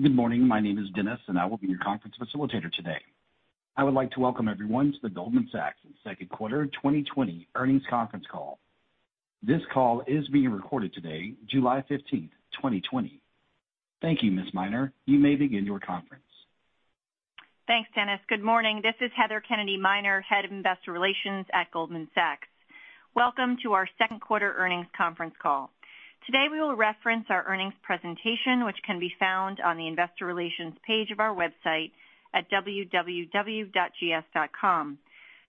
Good morning. My name is Dennis, and I will be your conference facilitator today. I would like to welcome everyone to the Goldman Sachs second quarter 2020 earnings conference call. This call is being recorded today, July 15th, 2020. Thank you, Ms. Miner. You may begin your conference. Thanks, Dennis. Good morning. This is Heather Kennedy Miner, Head of Investor Relations at Goldman Sachs. Welcome to our second quarter earnings conference call. Today we will reference our earnings presentation, which can be found on the investor relations page of our website at www.gs.com.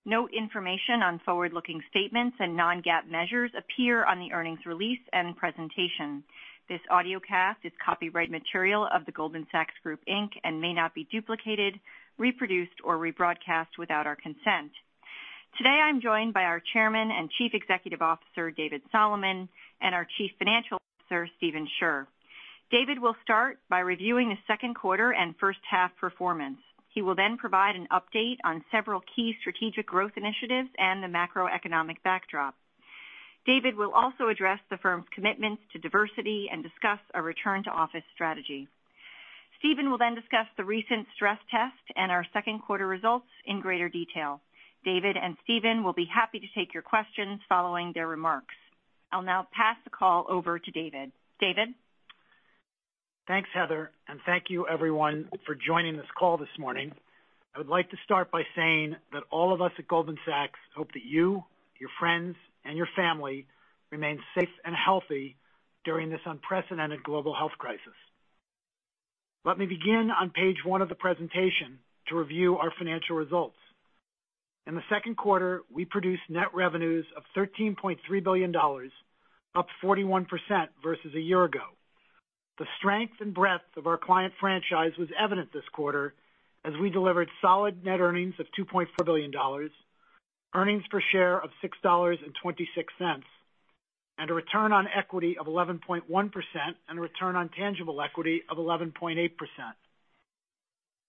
Note information on forward-looking statements and non-GAAP measures appear on the earnings release and presentation. This audiocast is copyright material of The Goldman Sachs Group Inc. and may not be duplicated, reproduced, or rebroadcast without our consent. Today I'm joined by our Chairman and Chief Executive Officer, David Solomon, and our Chief Financial Officer, Stephen Scherr. David will start by reviewing the second quarter and first half performance. He will then provide an update on several key strategic growth initiatives and the macroeconomic backdrop. David will also address the firm's commitments to diversity and discuss a return-to-office strategy. Stephen will discuss the recent stress test and our second quarter results in greater detail. David and Stephen will be happy to take your questions following their remarks. I'll now pass the call over to David. David? Thanks, Heather. Thank you everyone for joining this call this morning. I would like to start by saying that all of us at Goldman Sachs hope that you, your friends, and your family remain safe and healthy during this unprecedented global health crisis. Let me begin on page one of the presentation to review our financial results. In the second quarter, we produced net revenues of $13.3 billion, up 41% versus a year ago. The strength and breadth of our client franchise was evident this quarter as we delivered solid net earnings of $2.4 billion, earnings per share of $6.26, and a return on equity of 11.1% and a return on tangible equity of 11.8%.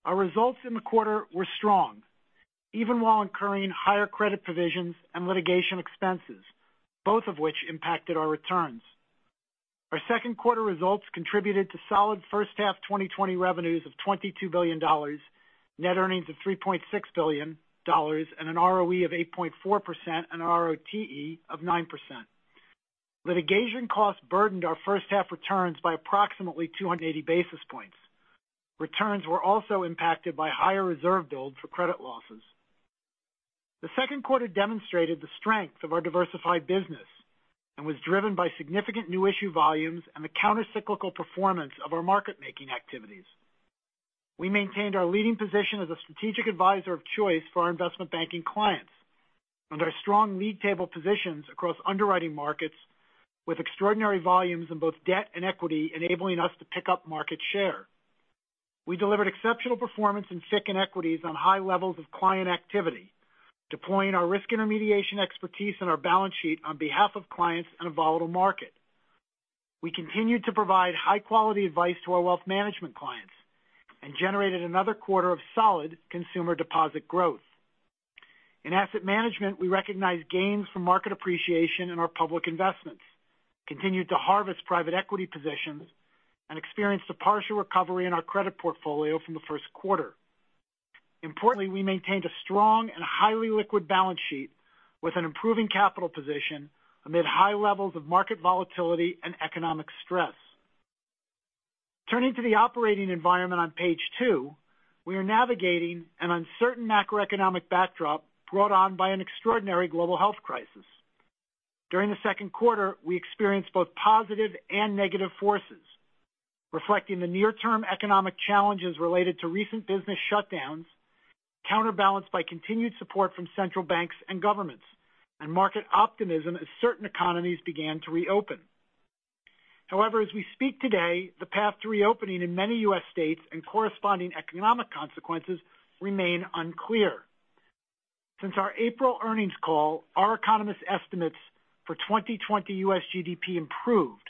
Our results in the quarter were strong, even while incurring higher credit provisions and litigation expenses, both of which impacted our returns. Our second quarter results contributed to solid first half 2020 revenues of $22 billion, net earnings of $3.6 billion, an ROE of 8.4% and an ROTE of 9%. Litigation costs burdened our first half returns by approximately 280 basis points. Returns were also impacted by higher reserve builds for credit losses. The second quarter demonstrated the strength of our diversified business and was driven by significant new issue volumes and the countercyclical performance of our market making activities. We maintained our leading position as a strategic advisor of choice for our investment banking clients and our strong lead table positions across underwriting markets with extraordinary volumes in both debt and equity enabling us to pick up market share. We delivered exceptional performance in FICC and equities on high levels of client activity, deploying our risk intermediation expertise and our balance sheet on behalf of clients in a volatile market. We continued to provide high-quality advice to our wealth management clients and generated another quarter of solid consumer deposit growth. In asset management, we recognized gains from market appreciation in our public investments, continued to harvest private equity positions, and experienced a partial recovery in our credit portfolio from the first quarter. Importantly, we maintained a strong and highly liquid balance sheet with an improving capital position amid high levels of market volatility and economic stress. Turning to the operating environment on page two, we are navigating an uncertain macroeconomic backdrop brought on by an extraordinary global health crisis. During the second quarter, we experienced both positive and negative forces, reflecting the near-term economic challenges related to recent business shutdowns, counterbalanced by continued support from central banks and governments, and market optimism as certain economies began to reopen. However, as we speak today, the path to reopening in many U.S. states and corresponding economic consequences remain unclear. Since our April earnings call, our economist estimates for 2020 U.S. GDP improved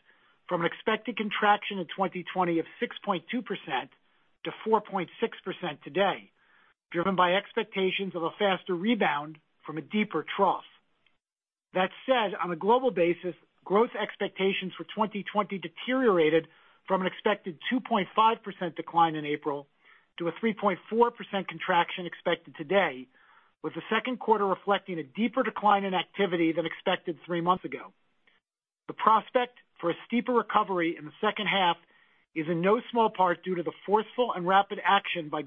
from an expected contraction in 2020 of 6.2% to 4.6% today, driven by expectations of a faster rebound from a deeper trough. That said, on a global basis, growth expectations for 2020 deteriorated from an expected 2.5% decline in April to a 3.4% contraction expected today, with the second quarter reflecting a deeper decline in activity than expected three months ago. The prospect for a steeper recovery in the second half is in no small part due to the forceful and rapid action by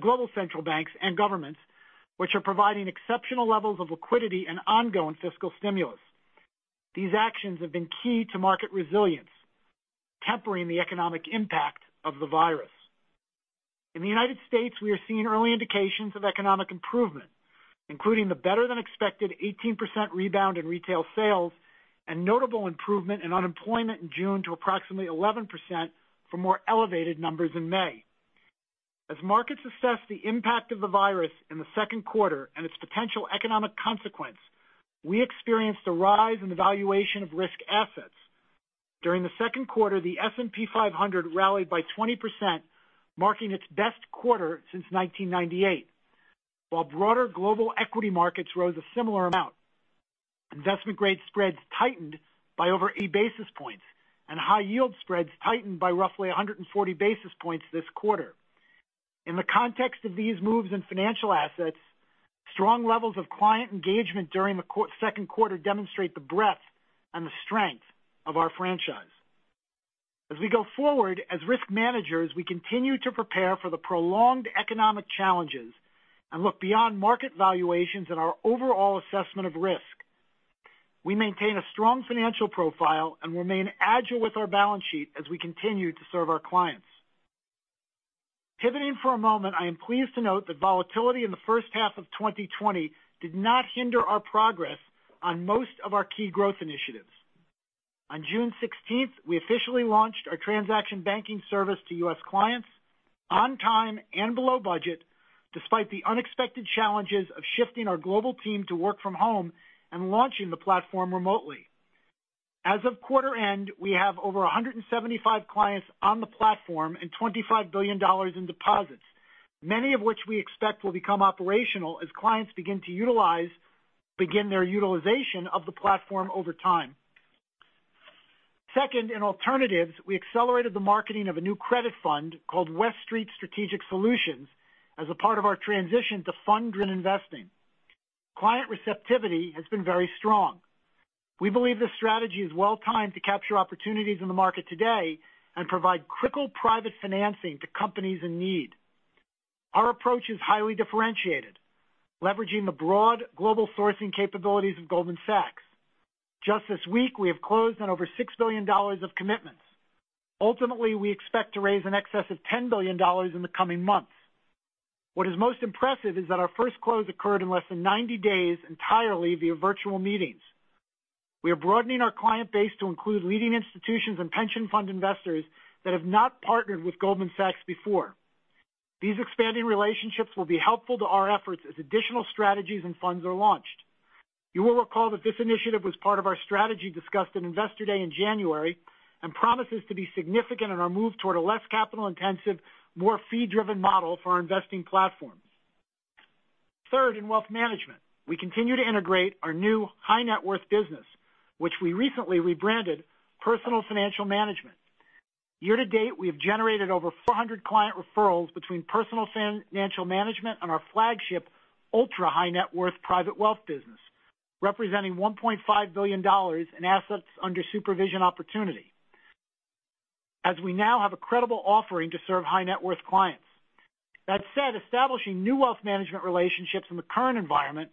global central banks and governments, which are providing exceptional levels of liquidity and ongoing fiscal stimulus. These actions have been key to market resilience, tempering the economic impact of the virus. In the U.S., we are seeing early indications of economic improvement, including the better-than-expected 18% rebound in retail sales and notable improvement in unemployment in June to approximately 11% from more elevated numbers in May. As markets assess the impact of the virus in the second quarter and its potential economic consequence, we experienced a rise in the valuation of risk assets. During the second quarter, the S&P 500 rallied by 20%, marking its best quarter since 1998. While broader global equity markets rose a similar amount. Investment grade spreads tightened by over eight basis points and high yield spreads tightened by roughly 140 basis points this quarter. In the context of these moves in financial assets, strong levels of client engagement during the second quarter demonstrate the breadth and the strength of our franchise. As we go forward as risk managers, we continue to prepare for the prolonged economic challenges and look beyond market valuations and our overall assessment of risk. We maintain a strong financial profile and remain agile with our balance sheet as we continue to serve our clients. Pivoting for a moment, I am pleased to note that volatility in the first half of 2020 did not hinder our progress on most of our key growth initiatives. On June 16th, we officially launched our transaction banking service to U.S. clients on time and below budget, despite the unexpected challenges of shifting our global team to work from home and launching the platform remotely. As of quarter end, we have over 175 clients on the platform and $25 billion in deposits, many of which we expect will become operational as clients begin their utilization of the platform over time. Second, in alternatives, we accelerated the marketing of a new credit fund called West Street Strategic Solutions as a part of our transition to fund-driven investing. Client receptivity has been very strong. We believe this strategy is well timed to capture opportunities in the market today and provide critical private financing to companies in need. Our approach is highly differentiated, leveraging the broad global sourcing capabilities of Goldman Sachs. Just this week, we have closed on over $6 billion of commitments. Ultimately, we expect to raise in excess of $10 billion in the coming months. What is most impressive is that our first close occurred in less than 90 days entirely via virtual meetings. We are broadening our client base to include leading institutions and pension fund investors that have not partnered with Goldman Sachs before. These expanding relationships will be helpful to our efforts as additional strategies and funds are launched. You will recall that this initiative was part of our strategy discussed at Investor Day in January and promises to be significant in our move toward a less capital-intensive, more fee-driven model for our investing platforms. Third, in wealth management, we continue to integrate our new high net worth business, which we recently rebranded Personal Financial Management. Year to date, we have generated over 400 client referrals between Personal Financial Management and our flagship ultra high net worth private wealth business, representing $1.5 billion in assets under supervision opportunity as we now have a credible offering to serve high net worth clients. That said, establishing new wealth management relationships in the current environment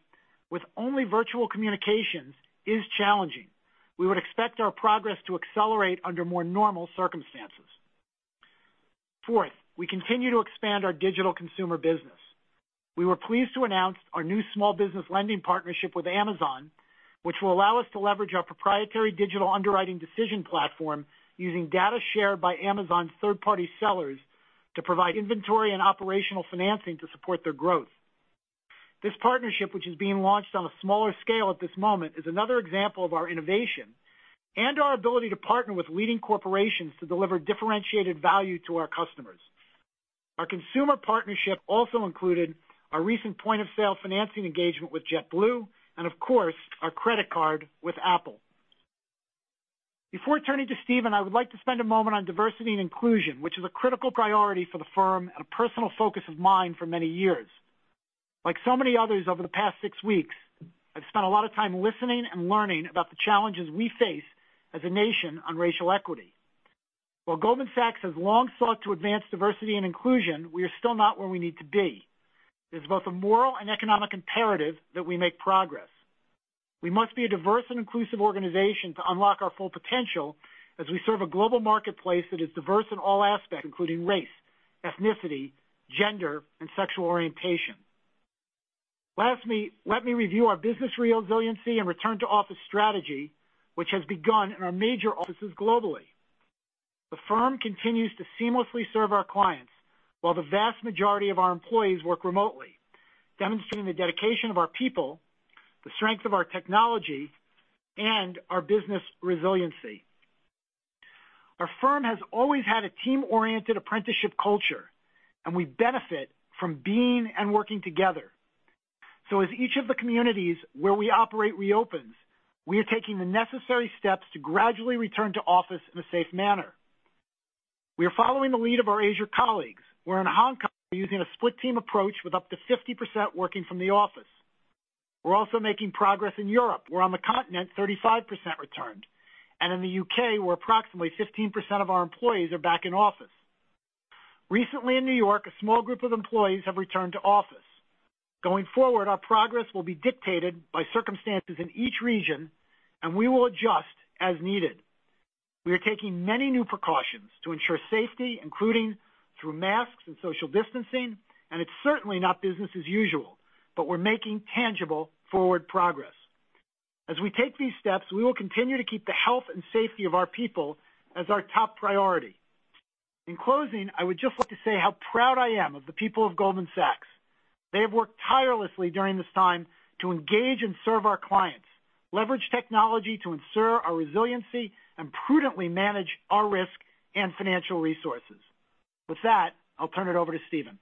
with only virtual communications is challenging. We would expect our progress to accelerate under more normal circumstances. Fourth, we continue to expand our digital consumer business. We were pleased to announce our new small business lending partnership with Amazon, which will allow us to leverage our proprietary digital underwriting decision platform using data shared by Amazon's third-party sellers to provide inventory and operational financing to support their growth. This partnership, which is being launched on a smaller scale at this moment, is another example of our innovation and our ability to partner with leading corporations to deliver differentiated value to our customers. Our consumer partnership also included our recent point-of-sale financing engagement with JetBlue and, of course, our credit card with Apple. Before turning to Stephen, I would like to spend a moment on diversity and inclusion, which is a critical priority for the firm and a personal focus of mine for many years. Like so many others over the past six weeks, I've spent a lot of time listening and learning about the challenges we face as a nation on racial equity. While Goldman Sachs has long sought to advance diversity and inclusion, we are still not where we need to be. It's both a moral and economic imperative that we make progress. We must be a diverse and inclusive organization to unlock our full potential as we serve a global marketplace that is diverse in all aspects, including race, ethnicity, gender, and sexual orientation. Lastly, let me review our business resiliency and return to office strategy, which has begun in our major offices globally. The firm continues to seamlessly serve our clients while the vast majority of our employees work remotely, demonstrating the dedication of our people, the strength of our technology, and our business resiliency. Our firm has always had a team-oriented apprenticeship culture, and we benefit from being and working together. As each of the communities where we operate reopens, we are taking the necessary steps to gradually return to office in a safe manner. We are following the lead of our Asia colleagues, where in Hong Kong, we're using a split team approach with up to 50% working from the office. We're also making progress in Europe, where on the continent, 35% returned, and in the U.K., where approximately 15% of our employees are back in office. Recently in New York, a small group of employees have returned to office. Going forward, our progress will be dictated by circumstances in each region, and we will adjust as needed. We are taking many new precautions to ensure safety, including through masks and social distancing, and it's certainly not business as usual, but we're making tangible forward progress. As we take these steps, we will continue to keep the health and safety of our people as our top priority. In closing, I would just like to say how proud I am of the people of Goldman Sachs. They have worked tirelessly during this time to engage and serve our clients, leverage technology to ensure our resiliency, and prudently manage our risk and financial resources. With that, I'll turn it over to Steven.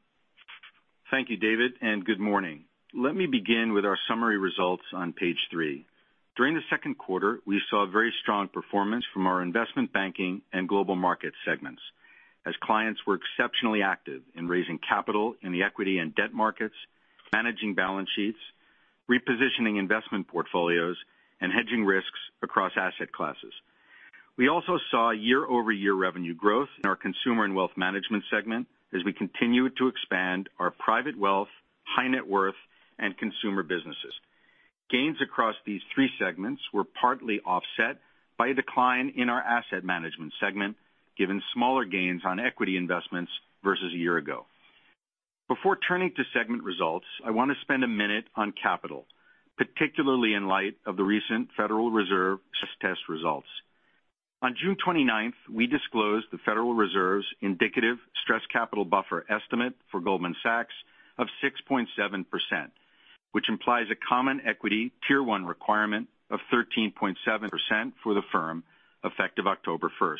Thank you, David, and good morning. Let me begin with our summary results on page three. During the second quarter, we saw very strong performance from our Investment Banking and Global Markets segments as clients were exceptionally active in raising capital in the equity and debt markets, managing balance sheets, repositioning investment portfolios, and hedging risks across asset classes. We also saw year-over-year revenue growth in our Consumer and Wealth Management segment as we continue to expand our Private Wealth, high net worth, and consumer businesses. Gains across these three segments were partly offset by a decline in our Asset Management segment, given smaller gains on equity investments versus a year ago. Before turning to segment results, I want to spend a minute on capital, particularly in light of the recent Federal Reserve stress test results. On June 29th, we disclosed the Federal Reserve's indicative stress capital buffer estimate for Goldman Sachs of 6.7%, which implies a common equity Tier 1 requirement of 13.7% for the firm effective October 1st.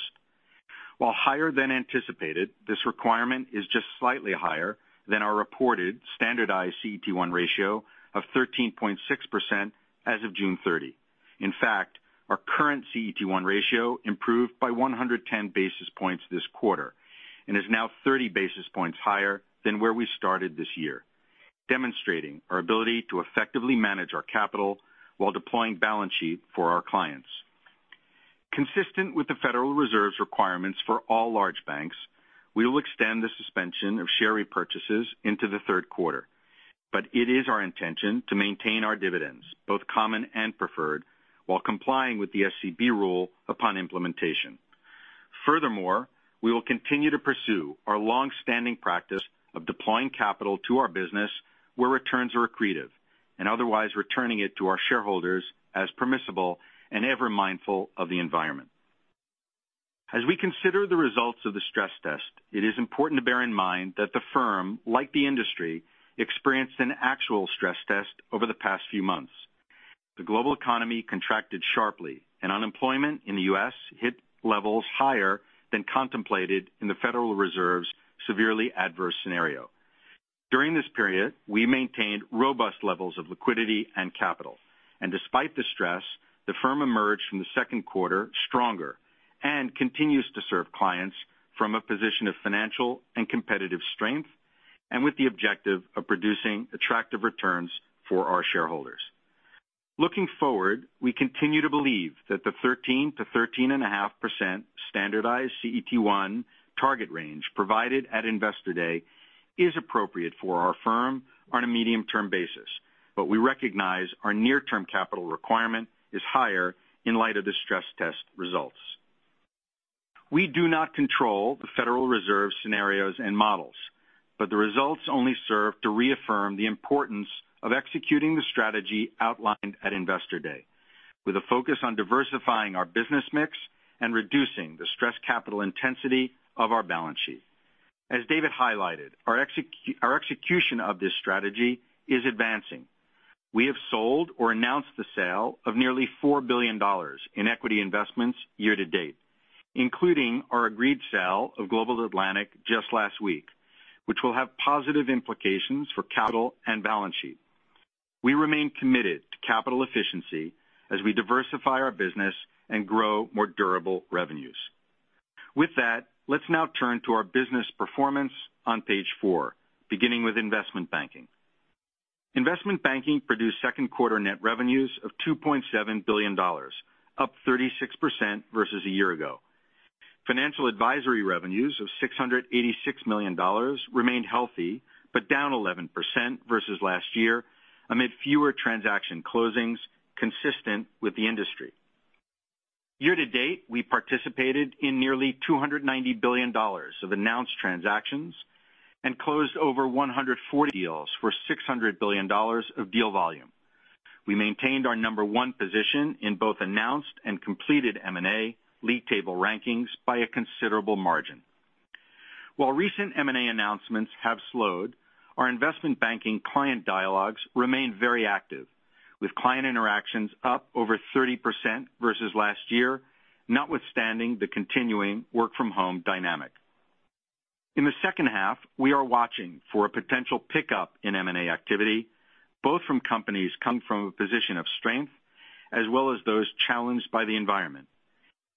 While higher than anticipated, this requirement is just slightly higher than our reported standardized CET1 ratio of 13.6% as of June 30. In fact, our current CET1 ratio improved by 110 basis points this quarter and is now 30 basis points higher than where we started this year, demonstrating our ability to effectively manage our capital while deploying balance sheet for our clients. Consistent with the Federal Reserve's requirements for all large banks, we will extend the suspension of share repurchases into the third quarter, but it is our intention to maintain our dividends, both common and preferred, while complying with the SCB rule upon implementation. Furthermore, we will continue to pursue our longstanding practice of deploying capital to our business where returns are accretive and otherwise returning it to our shareholders as permissible and ever mindful of the environment. As we consider the results of the stress test, it is important to bear in mind that the firm, like the industry, experienced an actual stress test over the past few months. The global economy contracted sharply and unemployment in the U.S. hit levels higher than contemplated in the Federal Reserve's severely adverse scenario. During this period, we maintained robust levels of liquidity and capital, and despite the stress, the firm emerged from the second quarter stronger and continues to serve clients from a position of financial and competitive strength and with the objective of producing attractive returns for our shareholders. Looking forward, we continue to believe that the 13%-13.5% standardized CET1 target range provided at Investor Day is appropriate for our firm on a medium-term basis, but we recognize our near-term capital requirement is higher in light of the stress test results. We do not control the Federal Reserve scenarios and models, but the results only serve to reaffirm the importance of executing the strategy outlined at Investor Day, with a focus on diversifying our business mix and reducing the stress capital intensity of our balance sheet. As David highlighted, our execution of this strategy is advancing. We have sold or announced the sale of nearly $4 billion in equity investments year to date, including our agreed sale of Global Atlantic just last week, which will have positive implications for capital and balance sheet. We remain committed to capital efficiency as we diversify our business and grow more durable revenues. With that, let's now turn to our business performance on page four, beginning with investment banking. Investment banking produced second quarter net revenues of $2.7 billion, up 36% versus a year ago. Financial advisory revenues of $686 million remained healthy, but down 11% versus last year amid fewer transaction closings consistent with the industry. Year to date, we participated in nearly $290 billion of announced transactions and closed over 140 deals for $600 billion of deal volume. We maintained our number 1 position in both announced and completed M&A lead table rankings by a considerable margin. While recent M&A announcements have slowed, our investment banking client dialogues remain very active, with client interactions up over 30% versus last year, notwithstanding the continuing work from home dynamic. In the second half, we are watching for a potential pickup in M&A activity, both from companies coming from a position of strength, as well as those challenged by the environment.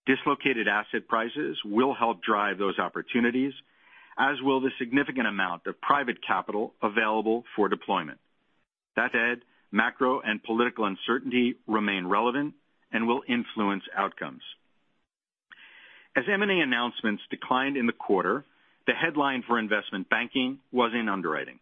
Dislocated asset prices will help drive those opportunities, as will the significant amount of private capital available for deployment. Macro and political uncertainty remain relevant and will influence outcomes. As M&A announcements declined in the quarter, the headline for investment banking was in underwriting.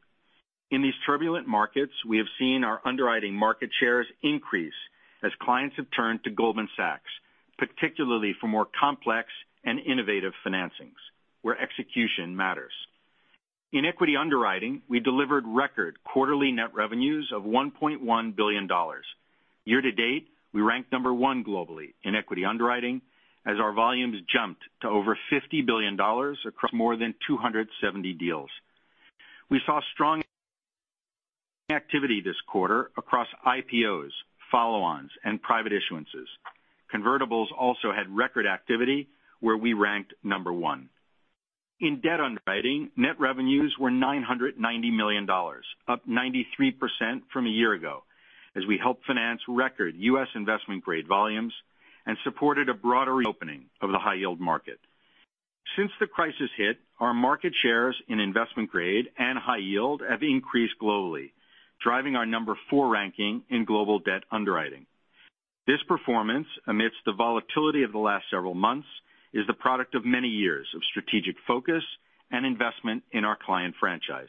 In these turbulent markets, we have seen our underwriting market shares increase as clients have turned to Goldman Sachs, particularly for more complex and innovative financings where execution matters. In equity underwriting, we delivered record quarterly net revenues of $1.1 billion. Year to date, we rank number one globally in equity underwriting as our volumes jumped to over $50 billion across more than 270 deals. We saw strong activity this quarter across IPOs, follow-ons, and private issuances. Convertibles also had record activity where we ranked number 1. In debt underwriting, net revenues were $990 million, up 93% from a year ago, as we helped finance record U.S. investment grade volumes and supported a broader reopening of the high yield market. Since the crisis hit, our market shares in investment grade and high yield have increased globally, driving our number 4 ranking in global debt underwriting. This performance, amidst the volatility of the last several months, is the product of many years of strategic focus and investment in our client franchise.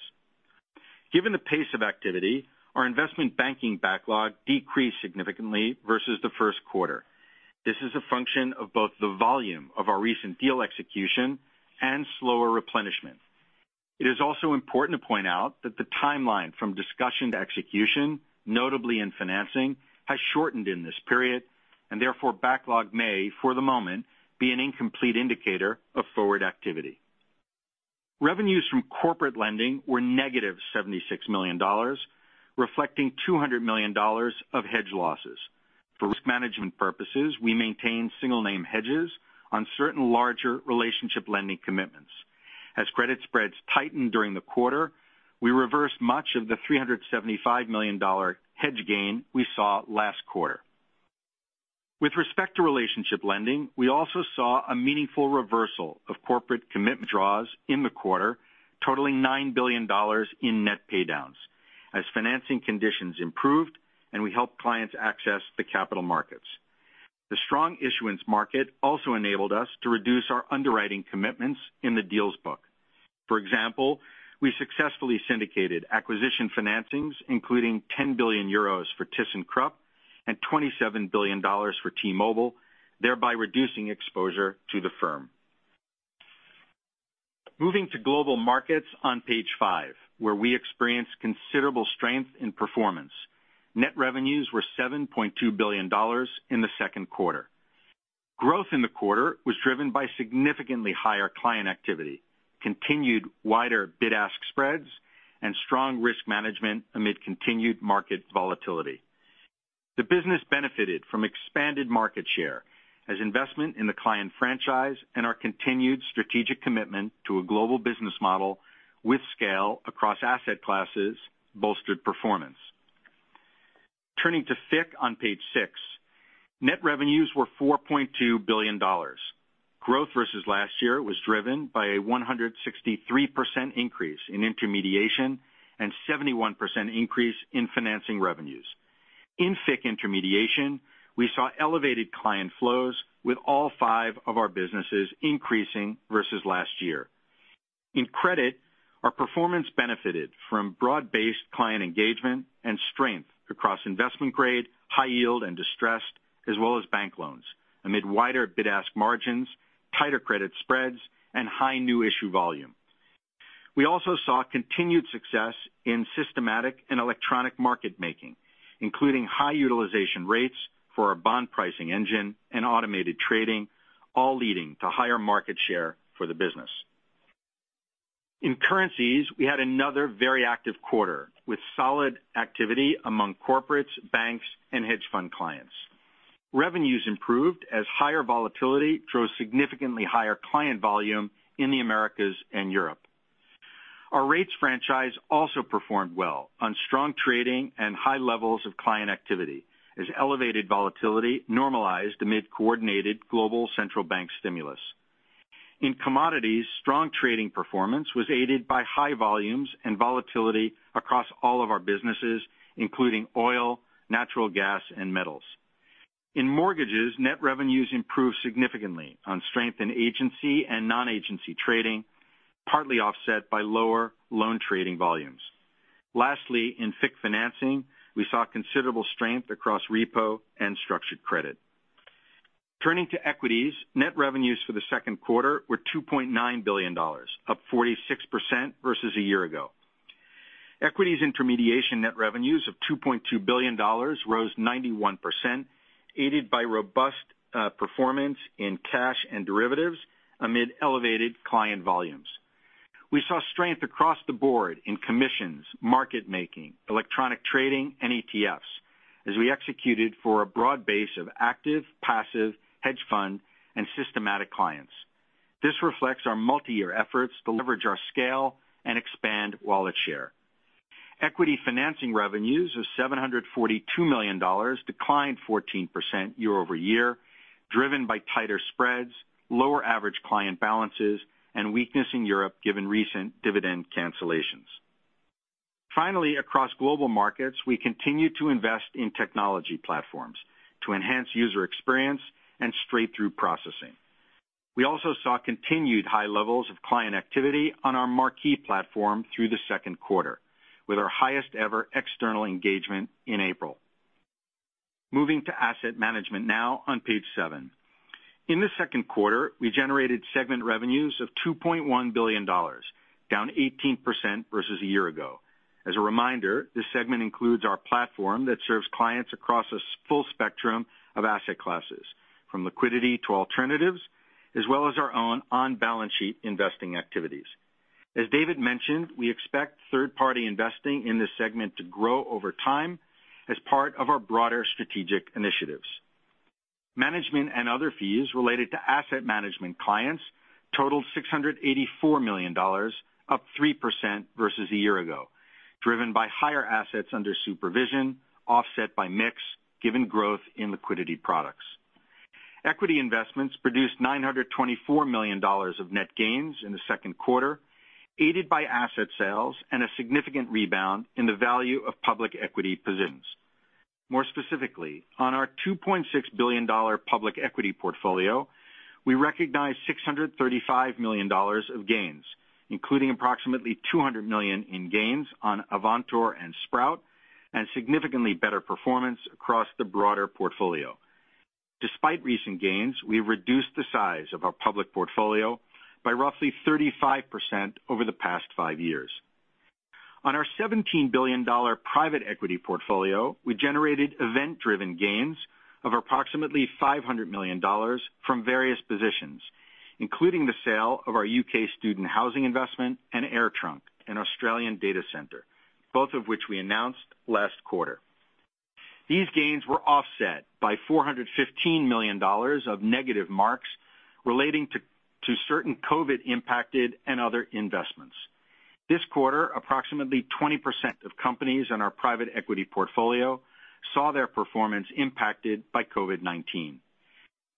Given the pace of activity, our investment banking backlog decreased significantly versus the first quarter. This is a function of both the volume of our recent deal execution and slower replenishment. It is also important to point out that the timeline from discussion to execution, notably in financing, has shortened in this period, and therefore, backlog may, for the moment, be an incomplete indicator of forward activity. Revenues from corporate lending were -$76 million, reflecting $200 million of hedge losses. For risk management purposes, we maintain single-name hedges on certain larger relationship lending commitments. As credit spreads tightened during the quarter, we reversed much of the $375 million hedge gain we saw last quarter. With respect to relationship lending, we also saw a meaningful reversal of corporate commitment draws in the quarter totaling $9 billion in net paydowns. As financing conditions improved and we helped clients access the capital markets. The strong issuance market also enabled us to reduce our underwriting commitments in the deals book. For example, we successfully syndicated acquisition financings, including 10 billion euros for ThyssenKrupp and $27 billion for T-Mobile, thereby reducing exposure to the firm. Moving to Global Markets on page five, where we experienced considerable strength in performance. Net revenues were $7.2 billion in the second quarter. Growth in the quarter was driven by significantly higher client activity, continued wider bid-ask spreads, and strong risk management amid continued market volatility. The business benefited from expanded market share as investment in the client franchise and our continued strategic commitment to a global business model with scale across asset classes bolstered performance. Turning to FICC on page six. Net revenues were $4.2 billion. Growth versus last year was driven by a 163% increase in intermediation and 71% increase in financing revenues. In FICC intermediation, we saw elevated client flows with all five of our businesses increasing versus last year. In credit, our performance benefited from broad-based client engagement and strength across investment grade, high yield, and distressed, as well as bank loans, amid wider bid-ask margins, tighter credit spreads, and high new issue volume. We also saw continued success in systematic and electronic market making, including high utilization rates for our bond pricing engine and automated trading, all leading to higher market share for the business. In currencies, we had another very active quarter, with solid activity among corporates, banks, and hedge fund clients. Revenues improved as higher volatility drove significantly higher client volume in the Americas and Europe. Our rates franchise also performed well on strong trading and high levels of client activity as elevated volatility normalized amid coordinated global central bank stimulus. In commodities, strong trading performance was aided by high volumes and volatility across all of our businesses, including oil, natural gas, and metals. In mortgages, net revenues improved significantly on strength in agency and non-agency trading, partly offset by lower loan trading volumes. Lastly, in FICC financing, we saw considerable strength across repo and structured credit. Turning to equities, net revenues for the second quarter were $2.9 billion, up 46% versus a year ago. Equities intermediation net revenues of $2.2 billion rose 91%, aided by robust performance in cash and derivatives amid elevated client volumes. We saw strength across the board in commissions, market making, electronic trading, and ETFs as we executed for a broad base of active, passive, hedge fund, and systematic clients. This reflects our multi-year efforts to leverage our scale and expand wallet share. Equity financing revenues of $742 million declined 14% year-over-year, driven by tighter spreads, lower average client balances, and weakness in Europe given recent dividend cancellations. Finally, across Global Markets, we continued to invest in technology platforms to enhance user experience and straight-through processing. We also saw continued high levels of client activity on our Marquee platform through the second quarter, with our highest-ever external engagement in April. Moving to Asset Management now on page seven. In the second quarter, we generated segment revenues of $2.1 billion, down 18% versus a year ago. As a reminder, this segment includes our platform that serves clients across a full spectrum of asset classes. From liquidity to alternatives, as well as our own on-balance sheet investing activities. As David mentioned, we expect third-party investing in this segment to grow over time as part of our broader strategic initiatives. Management and other fees related to asset management clients totaled $684 million, up 3% versus a year ago, driven by higher assets under supervision, offset by mix given growth in liquidity products. Equity investments produced $924 million of net gains in the second quarter, aided by asset sales and a significant rebound in the value of public equity positions. More specifically, on our $2.6 billion public equity portfolio, we recognized $635 million of gains, including approximately $200 million in gains on Avantor and Sprout, and significantly better performance across the broader portfolio. Despite recent gains, we've reduced the size of our public portfolio by roughly 35% over the past five years. On our $17 billion private equity portfolio, we generated event-driven gains of approximately $500 million from various positions, including the sale of our U.K. student housing investment and AirTrunk, an Australian data center, both of which we announced last quarter. These gains were offset by $415 million of negative marks relating to certain COVID-impacted and other investments. This quarter, approximately 20% of companies in our private equity portfolio saw their performance impacted by COVID-19.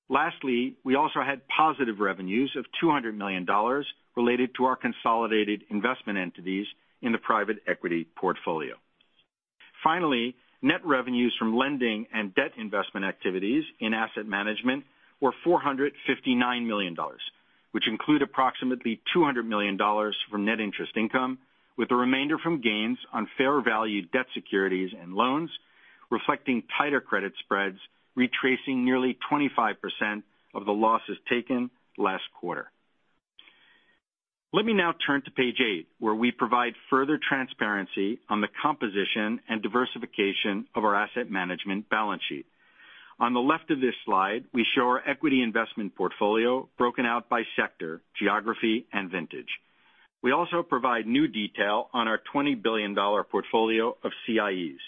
Lastly, we also had positive revenues of $200 million related to our consolidated investment entities in the private equity portfolio. Finally, net revenues from lending and debt investment activities in asset management were $459 million, which include approximately $200 million from net interest income, with the remainder from gains on fair valued debt securities and loans, reflecting tighter credit spreads, retracing nearly 25% of the losses taken last quarter. Let me now turn to page eight, where we provide further transparency on the composition and diversification of our asset management balance sheet. On the left of this slide, we show our equity investment portfolio broken out by sector, geography, and vintage. We also provide new detail on our $20 billion portfolio of CIEs.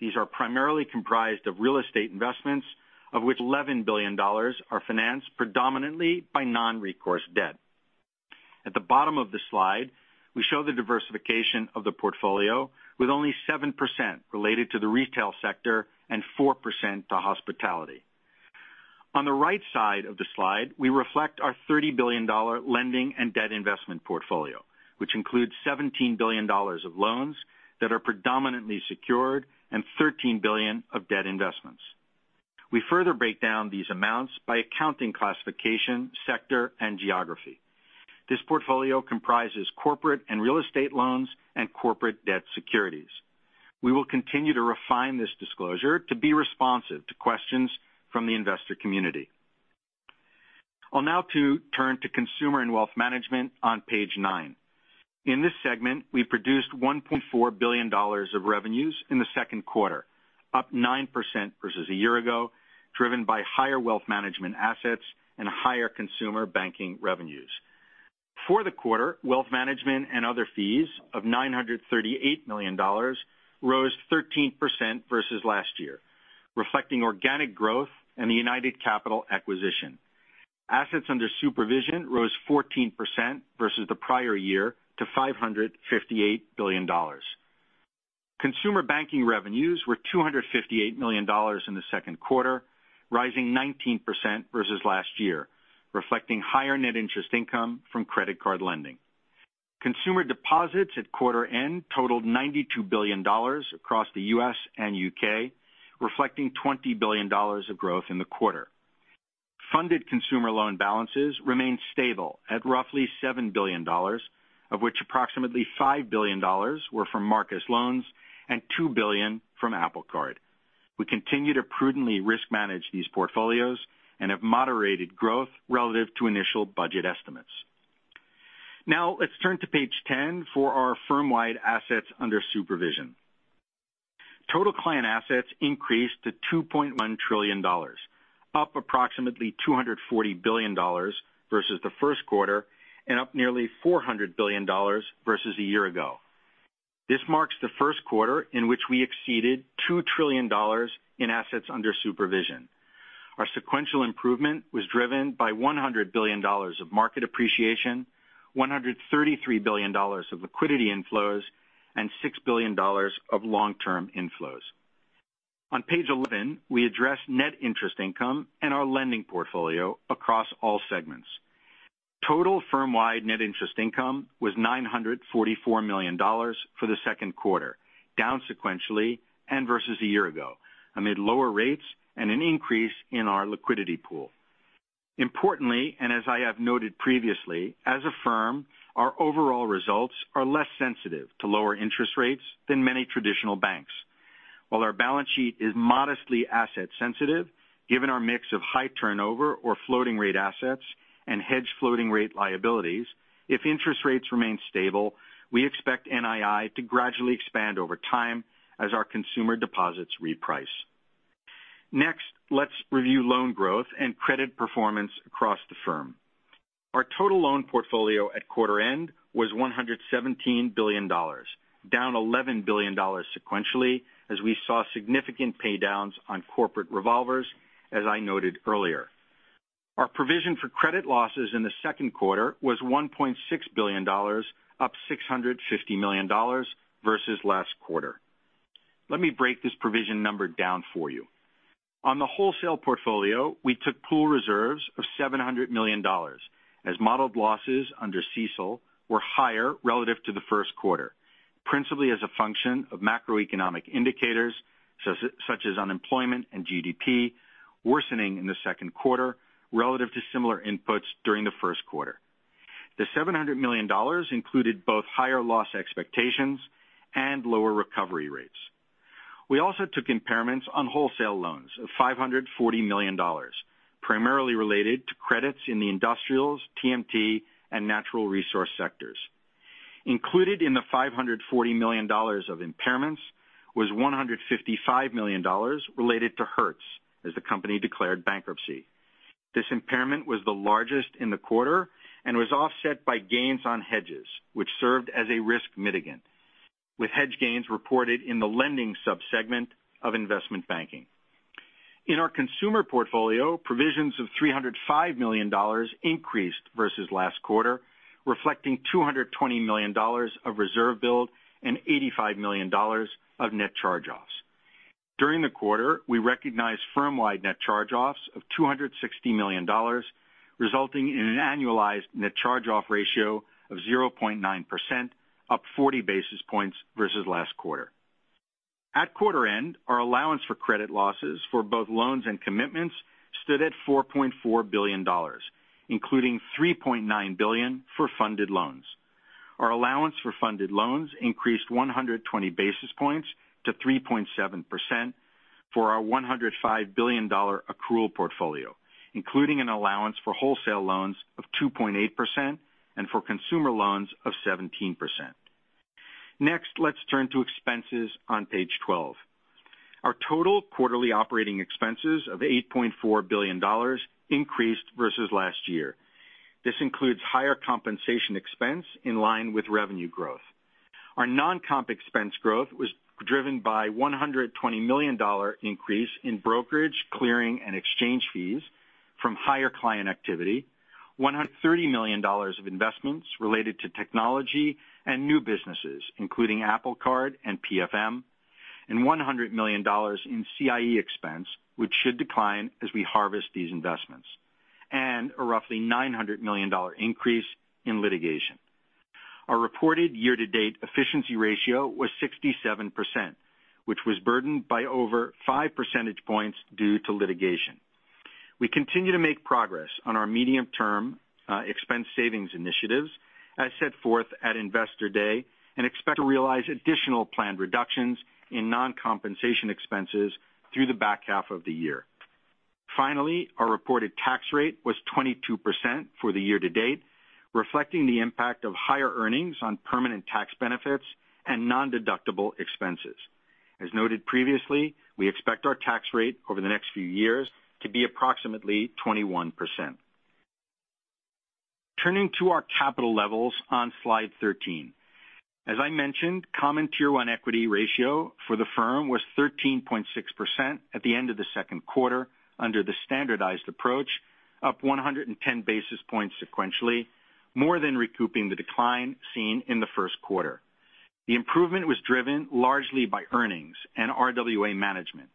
These are primarily comprised of real estate investments, of which $11 billion are financed predominantly by non-recourse debt. At the bottom of this slide, we show the diversification of the portfolio, with only 7% related to the retail sector and 4% to hospitality. On the right side of the slide, we reflect our $30 billion lending and debt investment portfolio, which includes $17 billion of loans that are predominantly secured and $13 billion of debt investments. We further break down these amounts by accounting classification, sector, and geography. This portfolio comprises corporate and real estate loans and corporate debt securities. We will continue to refine this disclosure to be responsive to questions from the investor community. I'll now turn to Consumer and Wealth Management on page nine. In this segment, we produced $1.4 billion of revenues in the second quarter, up 9% versus a year ago, driven by higher wealth management assets and higher consumer banking revenues. For the quarter, wealth management and other fees of $938 million rose 13% versus last year, reflecting organic growth and the United Capital acquisition. Assets under supervision rose 14% versus the prior year to $558 billion. Consumer banking revenues were $258 million in the second quarter, rising 19% versus last year, reflecting higher net interest income from credit card lending. Consumer deposits at quarter end totaled $92 billion across the U.S. and U.K., reflecting $20 billion of growth in the quarter. Funded consumer loan balances remained stable at roughly $7 billion, of which approximately $5 billion were from Marcus loans and $2 billion from Apple Card. We continue to prudently risk manage these portfolios and have moderated growth relative to initial budget estimates. Let's turn to page 10 for our firm-wide assets under supervision. Total client assets increased to $2.1 trillion, up approximately $240 billion versus the first quarter and up nearly $400 billion versus a year ago. This marks the first quarter in which we exceeded $2 trillion in assets under supervision. Our sequential improvement was driven by $100 billion of market appreciation, $133 billion of liquidity inflows, and $6 billion of long-term inflows. On page 11, we address net interest income and our lending portfolio across all segments. Total firm-wide net interest income was $944 million for the second quarter, down sequentially and versus a year ago, amid lower rates and an increase in our liquidity pool. Importantly, as I have noted previously, as a firm, our overall results are less sensitive to lower interest rates than many traditional banks. While our balance sheet is modestly asset sensitive, given our mix of high turnover or floating rate assets and hedged floating rate liabilities, if interest rates remain stable, we expect NII to gradually expand over time as our consumer deposits reprice. Next, let's review loan growth and credit performance across the firm. Our total loan portfolio at quarter end was $117 billion, down $11 billion sequentially, as I saw significant pay-downs on corporate revolvers, as I noted earlier. Our provision for credit losses in the second quarter was $1.6 billion, up $650 million versus last quarter. Let me break this provision number down for you. On the wholesale portfolio, we took pool reserves of $700 million as modeled losses under CECL were higher relative to the first quarter, principally as a function of macroeconomic indicators such as unemployment and GDP worsening in the second quarter relative to similar inputs during the first quarter. The $700 million included both higher loss expectations and lower recovery rates. We also took impairments on wholesale loans of $540 million, primarily related to credits in the industrials, TMT, and natural resource sectors. Included in the $540 million of impairments was $155 million related to Hertz as the company declared bankruptcy. This impairment was the largest in the quarter and was offset by gains on hedges, which served as a risk mitigant, with hedge gains reported in the lending sub-segment of investment banking. In our consumer portfolio, provisions of $305 million increased versus last quarter, reflecting $220 million of reserve build and $85 million of net charge-offs. During the quarter, we recognized firm-wide net charge-offs of $260 million, resulting in an annualized net charge-off ratio of 0.9%, up 40 basis points versus last quarter. At quarter end, our allowance for credit losses for both loans and commitments stood at $4.4 billion, including $3.9 billion for funded loans. Our allowance for funded loans increased 120 basis points to 3.7% for our $105 billion accrual portfolio, including an allowance for wholesale loans of 2.8% and for consumer loans of 17%. Let's turn to expenses on page 12. Our total quarterly operating expenses of $8.4 billion increased versus last year. This includes higher compensation expense in line with revenue growth. Our non-comp expense growth was driven by $120 million increase in brokerage, clearing, and exchange fees from higher client activity, $130 million of investments related to technology and new businesses, including Apple Card and PFM, and $100 million in CIE expense, which should decline as we harvest these investments. A roughly $900 million increase in litigation. Our reported year-to-date efficiency ratio was 67%, which was burdened by over five percentage points due to litigation. We continue to make progress on our medium-term expense savings initiatives as set forth at Investor Day, and expect to realize additional planned reductions in non-compensation expenses through the back half of the year. Finally, our reported tax rate was 22% for the year to date, reflecting the impact of higher earnings on permanent tax benefits and non-deductible expenses. As noted previously, we expect our tax rate over the next few years to be approximately 21%. Turning to our capital levels on slide 13. As I mentioned, common Tier 1 equity ratio for the firm was 13.6% at the end of the second quarter under the standardized approach, up 110 basis points sequentially, more than recouping the decline seen in the first quarter. The improvement was driven largely by earnings and RWA management.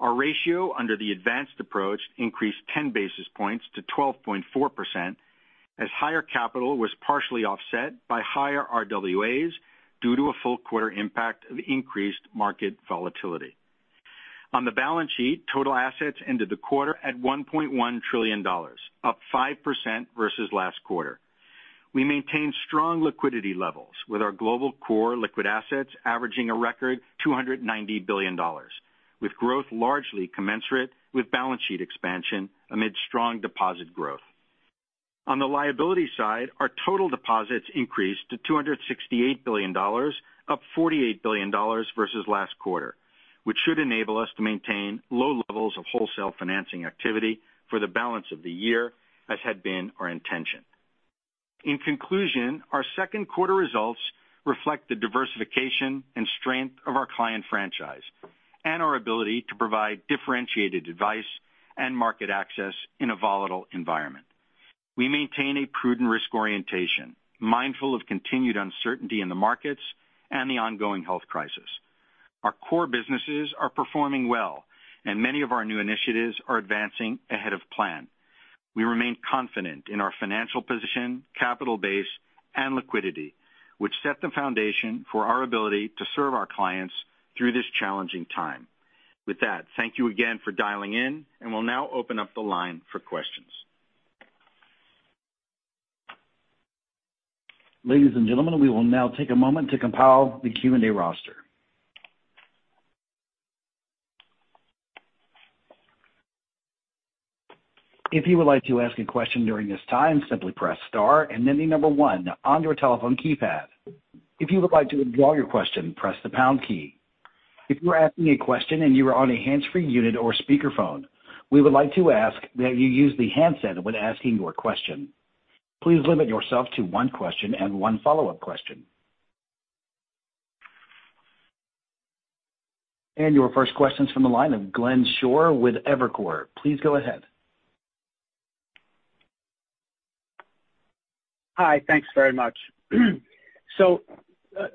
Our ratio under the advanced approach increased 10 basis points to 12.4%, as higher capital was partially offset by higher RWAs due to a full quarter impact of increased market volatility. On the balance sheet, total assets ended the quarter at $1.1 trillion, up 5% versus last quarter. We maintained strong liquidity levels with our global core liquid assets averaging a record $290 billion, with growth largely commensurate with balance sheet expansion amid strong deposit growth. On the liability side, our total deposits increased to $268 billion, up $48 billion versus last quarter, which should enable us to maintain low levels of wholesale financing activity for the balance of the year, as had been our intention. In conclusion, our second quarter results reflect the diversification and strength of our client franchise and our ability to provide differentiated advice and market access in a volatile environment. We maintain a prudent risk orientation, mindful of continued uncertainty in the markets and the ongoing health crisis. Our core businesses are performing well and many of our new initiatives are advancing ahead of plan. We remain confident in our financial position, capital base, and liquidity, which set the foundation for our ability to serve our clients through this challenging time. With that, thank you again for dialing in, and we'll now open up the line for questions. Ladies and gentlemen, we will now take a moment to compile the Q&A roster. If you would like to ask a question during this time, simply press star and then the number 1 on your telephone keypad. If you would like to withdraw your question, press the pound key. If you are asking a question and you are on a hands-free unit or speakerphone, we would like to ask that you use the handset when asking your question. Please limit yourself to one question and one follow-up question. Your first question's from the line of Glenn Schorr with Evercore. Please go ahead. Hi. Thanks very much.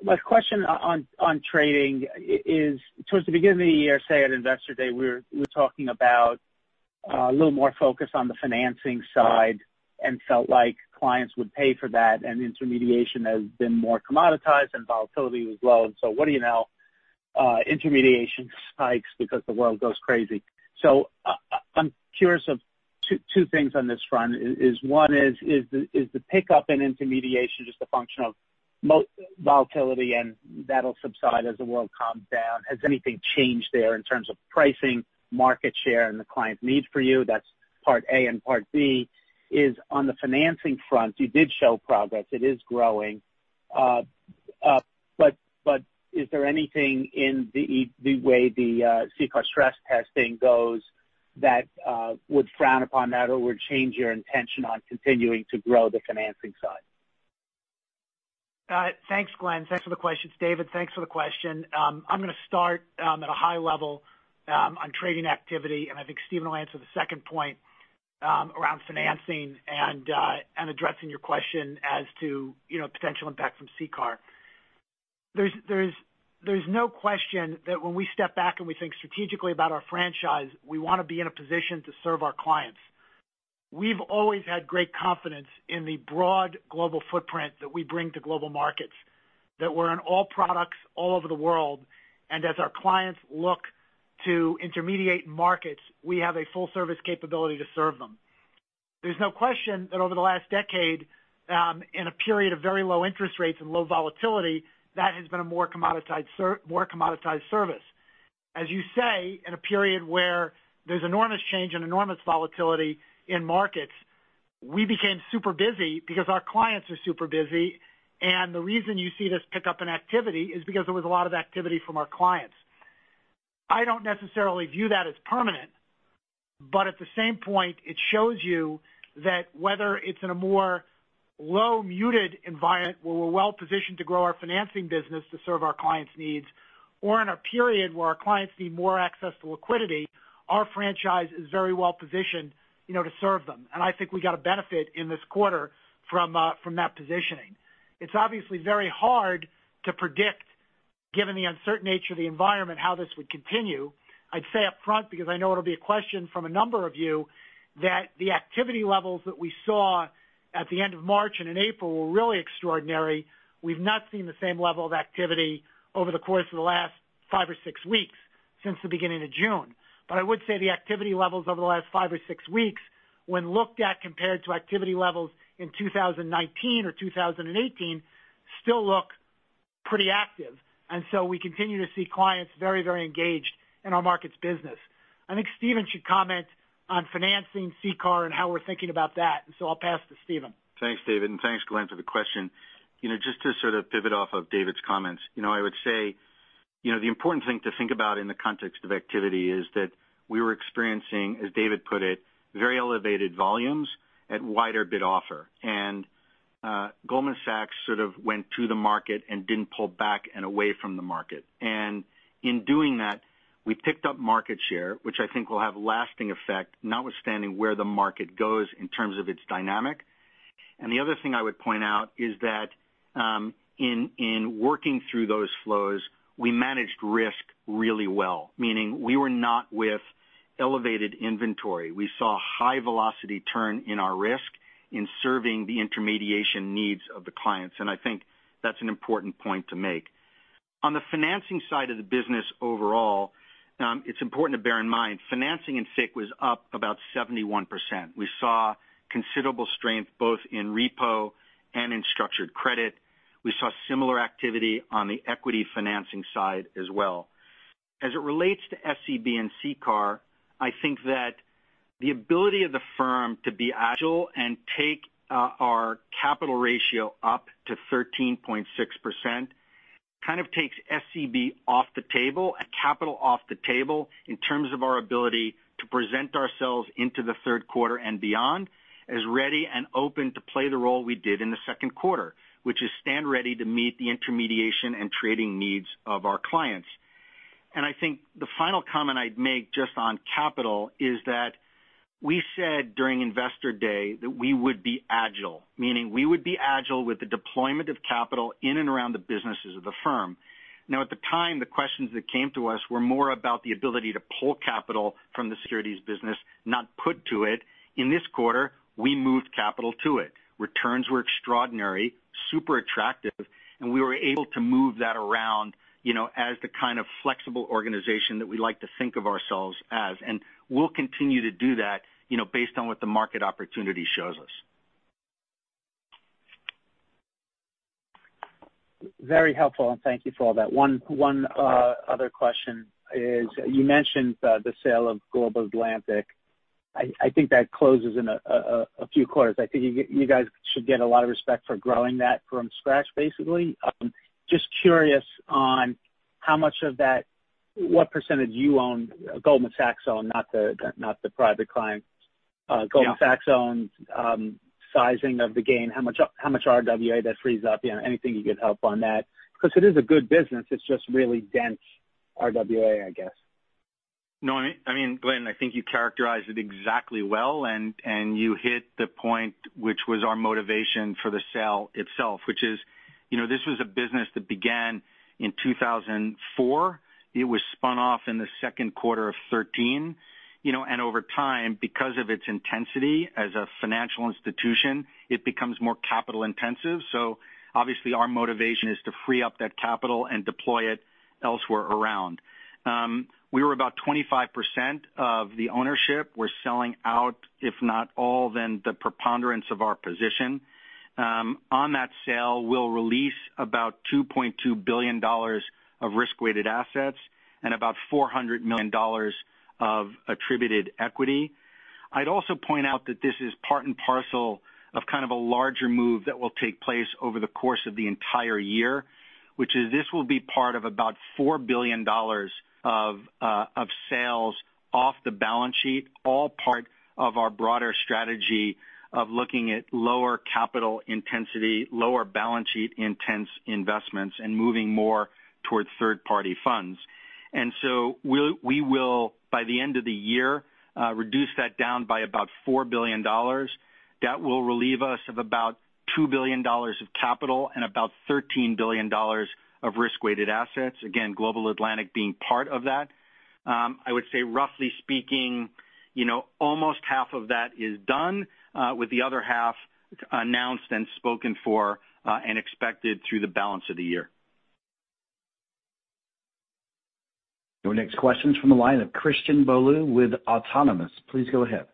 My question on trading is, towards the beginning of the year, say, at Investor Day, we were talking about a little more focus on the financing side and felt like clients would pay for that, and intermediation has been more commoditized and volatility was low. What do you know? Intermediation spikes because the world goes crazy. I'm curious of two things on this front is, one is the pickup in intermediation just a function of volatility and that'll subside as the world calms down? Has anything changed there in terms of pricing, market share, and the client need for you? That's part A and part B is on the financing front, you did show progress. It is growing. Is there anything in the way the CCAR stress testing goes that would frown upon that or would change your intention on continuing to grow the financing side? Thanks, Glenn. Thanks for the question. It's David. Thanks for the question. I'm going to start at a high level on trading activity, and I think Stephen will answer the second point around financing and addressing your question as to potential impact from CCAR. There's no question that when we step back and we think strategically about our franchise, we want to be in a position to serve our clients. We've always had great confidence in the broad global footprint that we bring to global markets, that we're on all products all over the world. As our clients look to intermediate markets, we have a full service capability to serve them. There's no question that over the last decade, in a period of very low interest rates and low volatility, that has been a more commoditized service. As you say, in a period where there's enormous change and enormous volatility in markets, we became super busy because our clients are super busy. The reason you see this pickup in activity is because there was a lot of activity from our clients. I don't necessarily view that as permanent. At the same point, it shows you that whether it's in a more low muted environment where we're well positioned to grow our financing business to serve our clients' needs, or in a period where our clients need more access to liquidity, our franchise is very well positioned to serve them. I think we got a benefit in this quarter from that positioning. It's obviously very hard to predict, given the uncertain nature of the environment, how this would continue. I'd say up front, because I know it'll be a question from a number of you, that the activity levels that we saw at the end of March and in April were really extraordinary. We've not seen the same level of activity over the course of the last five or six weeks since the beginning of June. I would say the activity levels over the last five or six weeks when looked at compared to activity levels in 2019 or 2018 still look pretty active. We continue to see clients very engaged in our markets business. I think Steven should comment on financing, CCAR, and how we're thinking about that. I'll pass to Steven. Thanks, David, and thanks Glenn for the question. Just to sort of pivot off of David's comments, I would say the important thing to think about in the context of activity is that we were experiencing, as David put it, very elevated volumes at wider bid offer. Goldman Sachs sort of went to the market and didn't pull back and away from the market. In doing that, we picked up market share, which I think will have lasting effect, notwithstanding where the market goes in terms of its dynamic. The other thing I would point out is that in working through those flows, we managed risk really well, meaning we were not with elevated inventory. We saw high velocity turn in our risk in serving the intermediation needs of the clients, and I think that's an important point to make. On the financing side of the business overall, it is important to bear in mind, financing in FICC was up about 71%. We saw considerable strength both in repo and in structured credit. We saw similar activity on the equity financing side as well. As it relates to SCB and CCAR, I think that the ability of the firm to be agile and take our capital ratio up to 13.6% kind of takes SCB off the table and capital off the table in terms of our ability to present ourselves into the third quarter and beyond as ready and open to play the role we did in the second quarter, which is stand ready to meet the intermediation and trading needs of our clients. I think the final comment I'd make just on capital is that we said during Investor Day that we would be agile, meaning we would be agile with the deployment of capital in and around the businesses of the firm. At the time, the questions that came to us were more about the ability to pull capital from the securities business, not put to it. In this quarter, we moved capital to it. Returns were extraordinary, super attractive, we were able to move that around as the kind of flexible organization that we like to think of ourselves as. We'll continue to do that based on what the market opportunity shows us. Very helpful. Thank you for all that. One other question is you mentioned the sale of Global Atlantic. I think that closes in a few quarters. I think you guys should get a lot of respect for growing that from scratch, basically. Just curious on how much of that, what percentage you own, Goldman Sachs own, not the private client. Yeah. Goldman Sachs owns, sizing of the gain, how much RWA that frees up. Anything you could help on that. It is a good business, it's just really dense RWA, I guess. No, Glenn, I think you characterized it exactly well, and you hit the point, which was our motivation for the sale itself. This was a business that began in 2004. It was spun off in the second quarter of 2013. Over time, because of its intensity as a financial institution, it becomes more capital intensive. Obviously our motivation is to free up that capital and deploy it elsewhere around. We were about 25% of the ownership. We're selling out, if not all, then the preponderance of our position. On that sale, we'll release about $2.2 billion of Risk-Weighted Assets and about $400 million of attributed equity. I'd also point out that this is part and parcel of kind of a larger move that will take place over the course of the entire year. Which is this will be part of about $4 billion of sales off the balance sheet, all part of our broader strategy of looking at lower capital intensity, lower balance sheet intense investments, and moving more towards third-party funds. We will, by the end of the year, reduce that down by about $4 billion. That will relieve us of about $2 billion of capital and about $13 billion of Risk-Weighted Assets. Again, Global Atlantic being part of that. I would say roughly speaking, almost half of that is done, with the other half announced and spoken for, and expected through the balance of the year. Your next question is from the line of Christian Bolu with Autonomous. Please go ahead.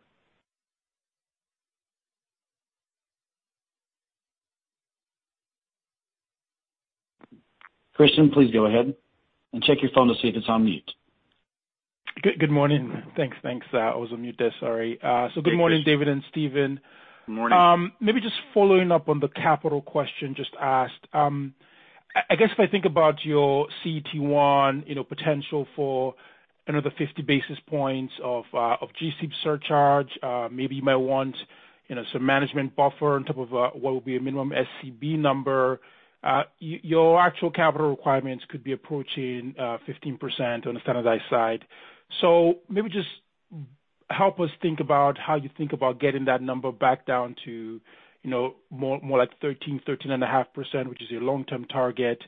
Christian, please go ahead, and check your phone to see if it's on mute. Good morning. Thanks. I was on mute there. Sorry. Hey, Christian. Good morning, David and Stephen. Morning. Maybe just following up on the capital question just asked. I guess if I think about your CET1 potential for another 50 basis points of G-SIB surcharge, maybe you might want some management buffer on top of what will be a minimum SCB number. Your actual capital requirements could be approaching 15% on a standardized side. Maybe just help us think about how you think about getting that number back down to more like 13.5%, which is your long-term target.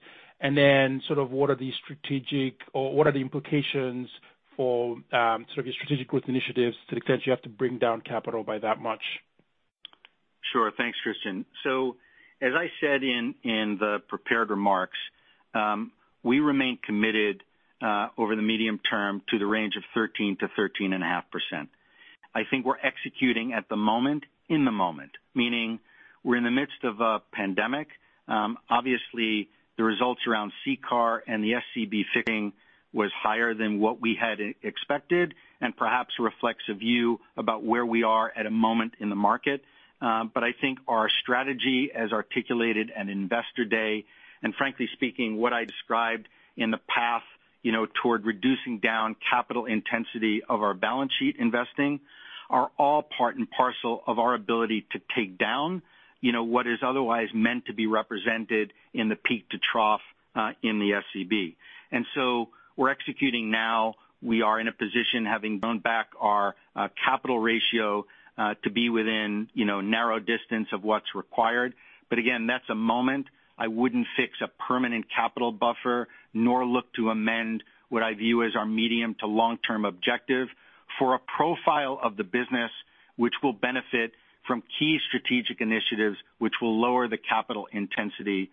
Sort of what are the strategic or what are the implications for sort of your strategic growth initiatives to the extent you have to bring down capital by that much? Thanks, Christian. As I said in the prepared remarks, we remain committed, over the medium term, to the range of 13%-13.5%. I think we're executing at the moment, in the moment. Meaning we're in the midst of a pandemic. Obviously, the results around CCAR and the SCB fixing was higher than what we had expected, and perhaps reflects a view about where we are at a moment in the market. I think our strategy as articulated at Investor Day, and frankly speaking, what I described in the path toward reducing down capital intensity of our balance sheet investing are all part and parcel of our ability to take down what is otherwise meant to be represented in the peak to trough in the SCB. We're executing now. We are in a position, having thrown back our capital ratio to be within narrow distance of what's required. Again, that's a moment. I wouldn't fix a permanent capital buffer nor look to amend what I view as our medium to long-term objective for a profile of the business which will benefit from key strategic initiatives, which will lower the capital intensity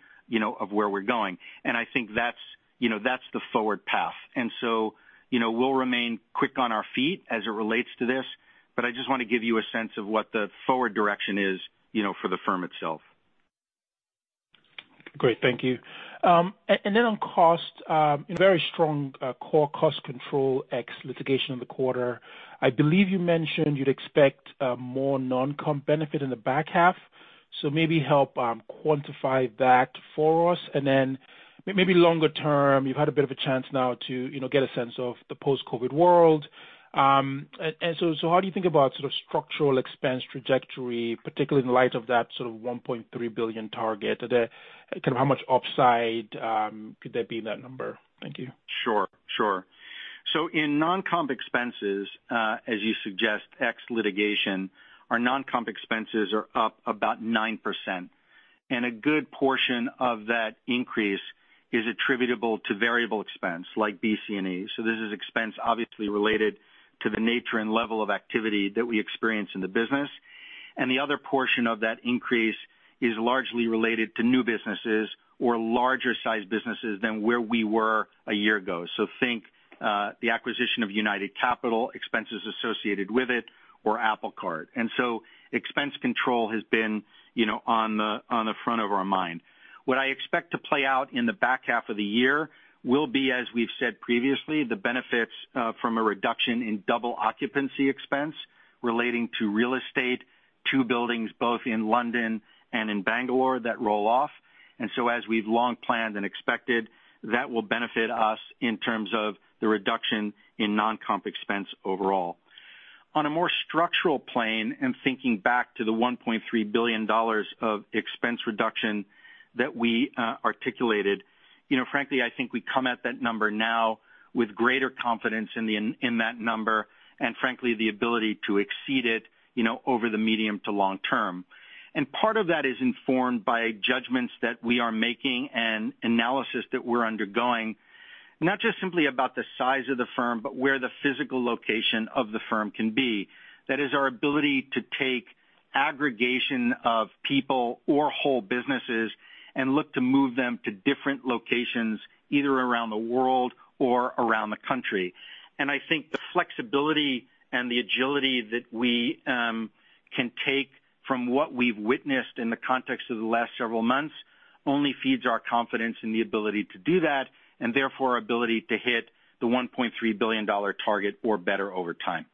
of where we're going. I think that's the forward path. We'll remain quick on our feet as it relates to this, but I just want to give you a sense of what the forward direction is for the firm itself. Great. Thank you. On cost, very strong core cost control, ex litigation in the quarter. I believe you mentioned you'd expect more non-comp benefit in the back half, maybe help quantify that for us. Maybe longer term, you've had a bit of a chance now to get a sense of the post-COVID world. How do you think about sort of structural expense trajectory, particularly in light of that sort of $1.3 billion target today? Kind of how much upside could there be in that number? Thank you. Sure. In non-comp expenses, as you suggest, ex litigation, our non-comp expenses are up about 9%. A good portion of that increase is attributable to variable expense like BC&E. This is expense obviously related to the nature and level of activity that we experience in the business. The other portion of that increase is largely related to new businesses or larger size businesses than where we were a year ago. Think the acquisition of United Capital, expenses associated with it or Apple Card. Expense control has been on the front of our mind. What I expect to play out in the back half of the year will be, as we've said previously, the benefits from a reduction in double occupancy expense relating to real estate, two buildings, both in London and in Bangalore that roll off. As we've long planned and expected, that will benefit us in terms of the reduction in non-comp expense overall. On a more structural plane, and thinking back to the $1.3 billion of expense reduction that we articulated, frankly, I think we come at that number now with greater confidence in that number, and frankly, the ability to exceed it over the medium to long term. Part of that is informed by judgments that we are making and analysis that we're undergoing, not just simply about the size of the firm, but where the physical location of the firm can be. That is our ability to take aggregation of people or whole businesses and look to move them to different locations, either around the world or around the country. I think the flexibility and the agility that we can take from what we've witnessed in the context of the last several months only feeds our confidence in the ability to do that, and therefore our ability to hit the $1.3 billion target or better over time.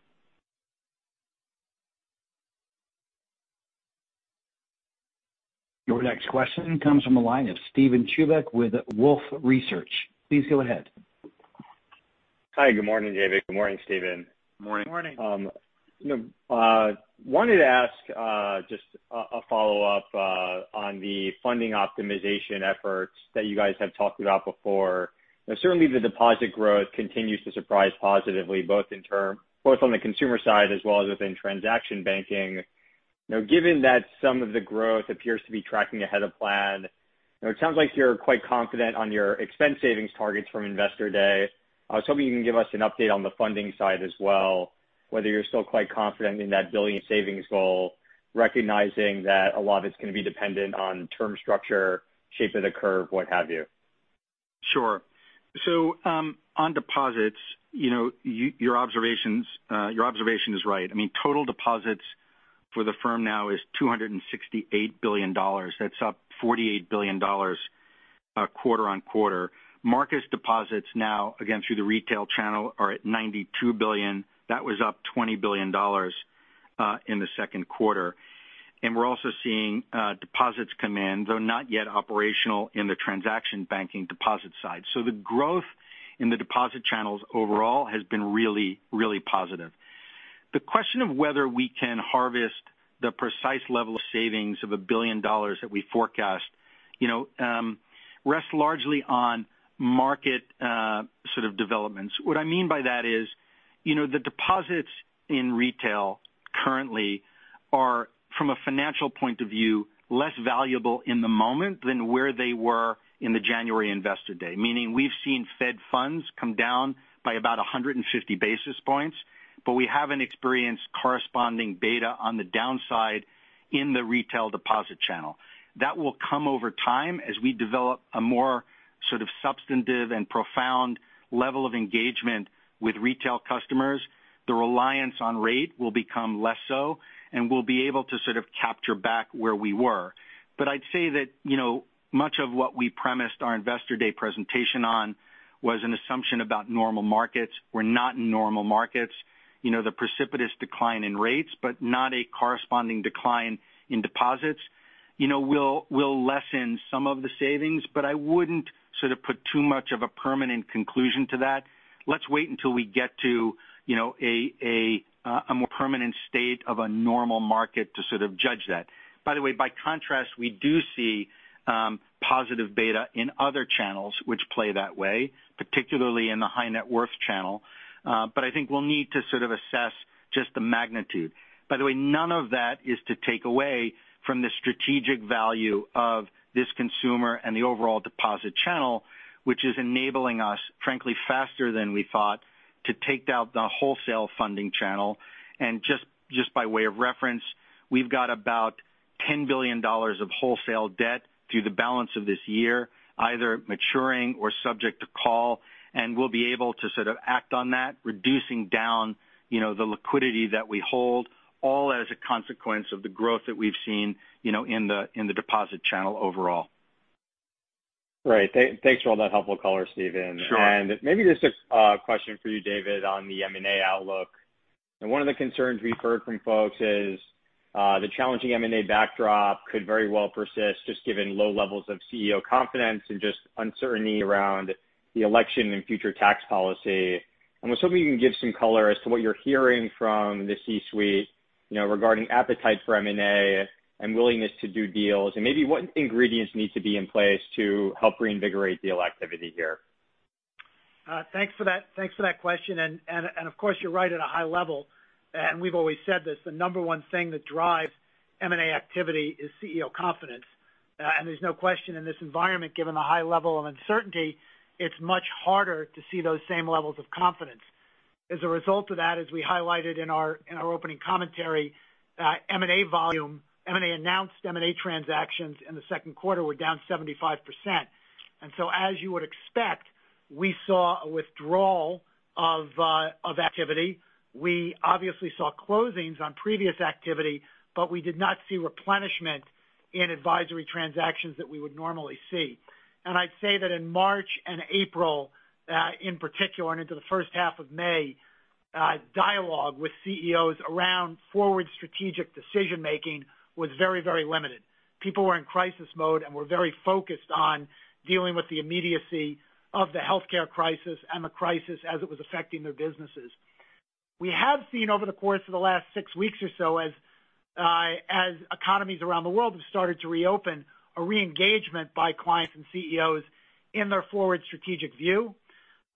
Your next question comes from the line of Steven Chubak with Wolfe Research. Please go ahead. Hi, good morning, David. Good morning, Steven. Morning. Morning. Wanted to ask just a follow-up on the funding optimization efforts that you guys have talked about before. Certainly, the deposit growth continues to surprise positively both on the consumer side as well as within transaction banking. Given that some of the growth appears to be tracking ahead of plan, it sounds like you're quite confident on your expense savings targets from Investor Day. I was hoping you can give us an update on the funding side as well, whether you're still quite confident in that $1 billion savings goal, recognizing that a lot of it's going to be dependent on term structure, shape of the curve, what have you. Sure. On deposits, your observation is right. I mean, total deposits for the firm now is $268 billion. That's up $48 billion quarter on quarter. Marcus deposits now, again, through the retail channel are at $92 billion. That was up $20 billion in the 2Q. We're also seeing deposits come in, though not yet operational in the transaction banking deposit side. The growth in the deposit channels overall has been really, really positive. The question of whether we can harvest the precise level of savings of $1 billion that we forecast rests largely on market sort of developments. What I mean by that is the deposits in retail currently are, from a financial point of view, less valuable in the moment than where they were in the January Investor Day. Meaning we've seen Fed funds come down by about 150 basis points, but we haven't experienced corresponding beta on the downside in the retail deposit channel. That will come over time as we develop a more sort of substantive and profound level of engagement with retail customers. The reliance on rate will become less so, and we'll be able to sort of capture back where we were. I'd say that much of what we premised our Investor Day presentation on was an assumption about normal markets. We're not in normal markets. The precipitous decline in rates, but not a corresponding decline in deposits will lessen some of the savings, but I wouldn't sort of put too much of a permanent conclusion to that. Let's wait until we get to a more permanent state of a normal market to sort of judge that. By the way, by contrast, we do see positive beta in other channels which play that way, particularly in the high net worth channel. I think we'll need to sort of assess just the magnitude. By the way, none of that is to take away from the strategic value of this consumer and the overall deposit channel, which is enabling us, frankly, faster than we thought to take down the wholesale funding channel. Just by way of reference, we've got about $10 billion of wholesale debt through the balance of this year, either maturing or subject to call, and we'll be able to sort of act on that, reducing down the liquidity that we hold, all as a consequence of the growth that we've seen in the deposit channel overall. Right. Thanks for all that helpful color, Steven. Sure. Maybe just a question for you, David, on the M&A outlook. One of the concerns we've heard from folks is the challenging M&A backdrop could very well persist just given low levels of CEO confidence and just uncertainty around the election and future tax policy. I was hoping you can give some color as to what you're hearing from the C-suite regarding appetite for M&A and willingness to do deals, and maybe what ingredients need to be in place to help reinvigorate deal activity here. Thanks for that question. Of course, you're right at a high level, and we've always said this, the number one thing that drives M&A activity is CEO confidence. There's no question in this environment, given the high level of uncertainty, it's much harder to see those same levels of confidence. As a result of that, as we highlighted in our opening commentary, M&A volume, M&A announced M&A transactions in the second quarter were down 75%. As you would expect, we saw a withdrawal of activity. We obviously saw closings on previous activity, but we did not see replenishment in advisory transactions that we would normally see. I'd say that in March and April, in particular, and into the first half of May, dialogue with CEOs around forward strategic decision making was very limited. People were in crisis mode and were very focused on dealing with the immediacy of the healthcare crisis and the crisis as it was affecting their businesses. We have seen over the course of the last six weeks or so as economies around the world have started to reopen, a re-engagement by clients and CEOs in their forward strategic view.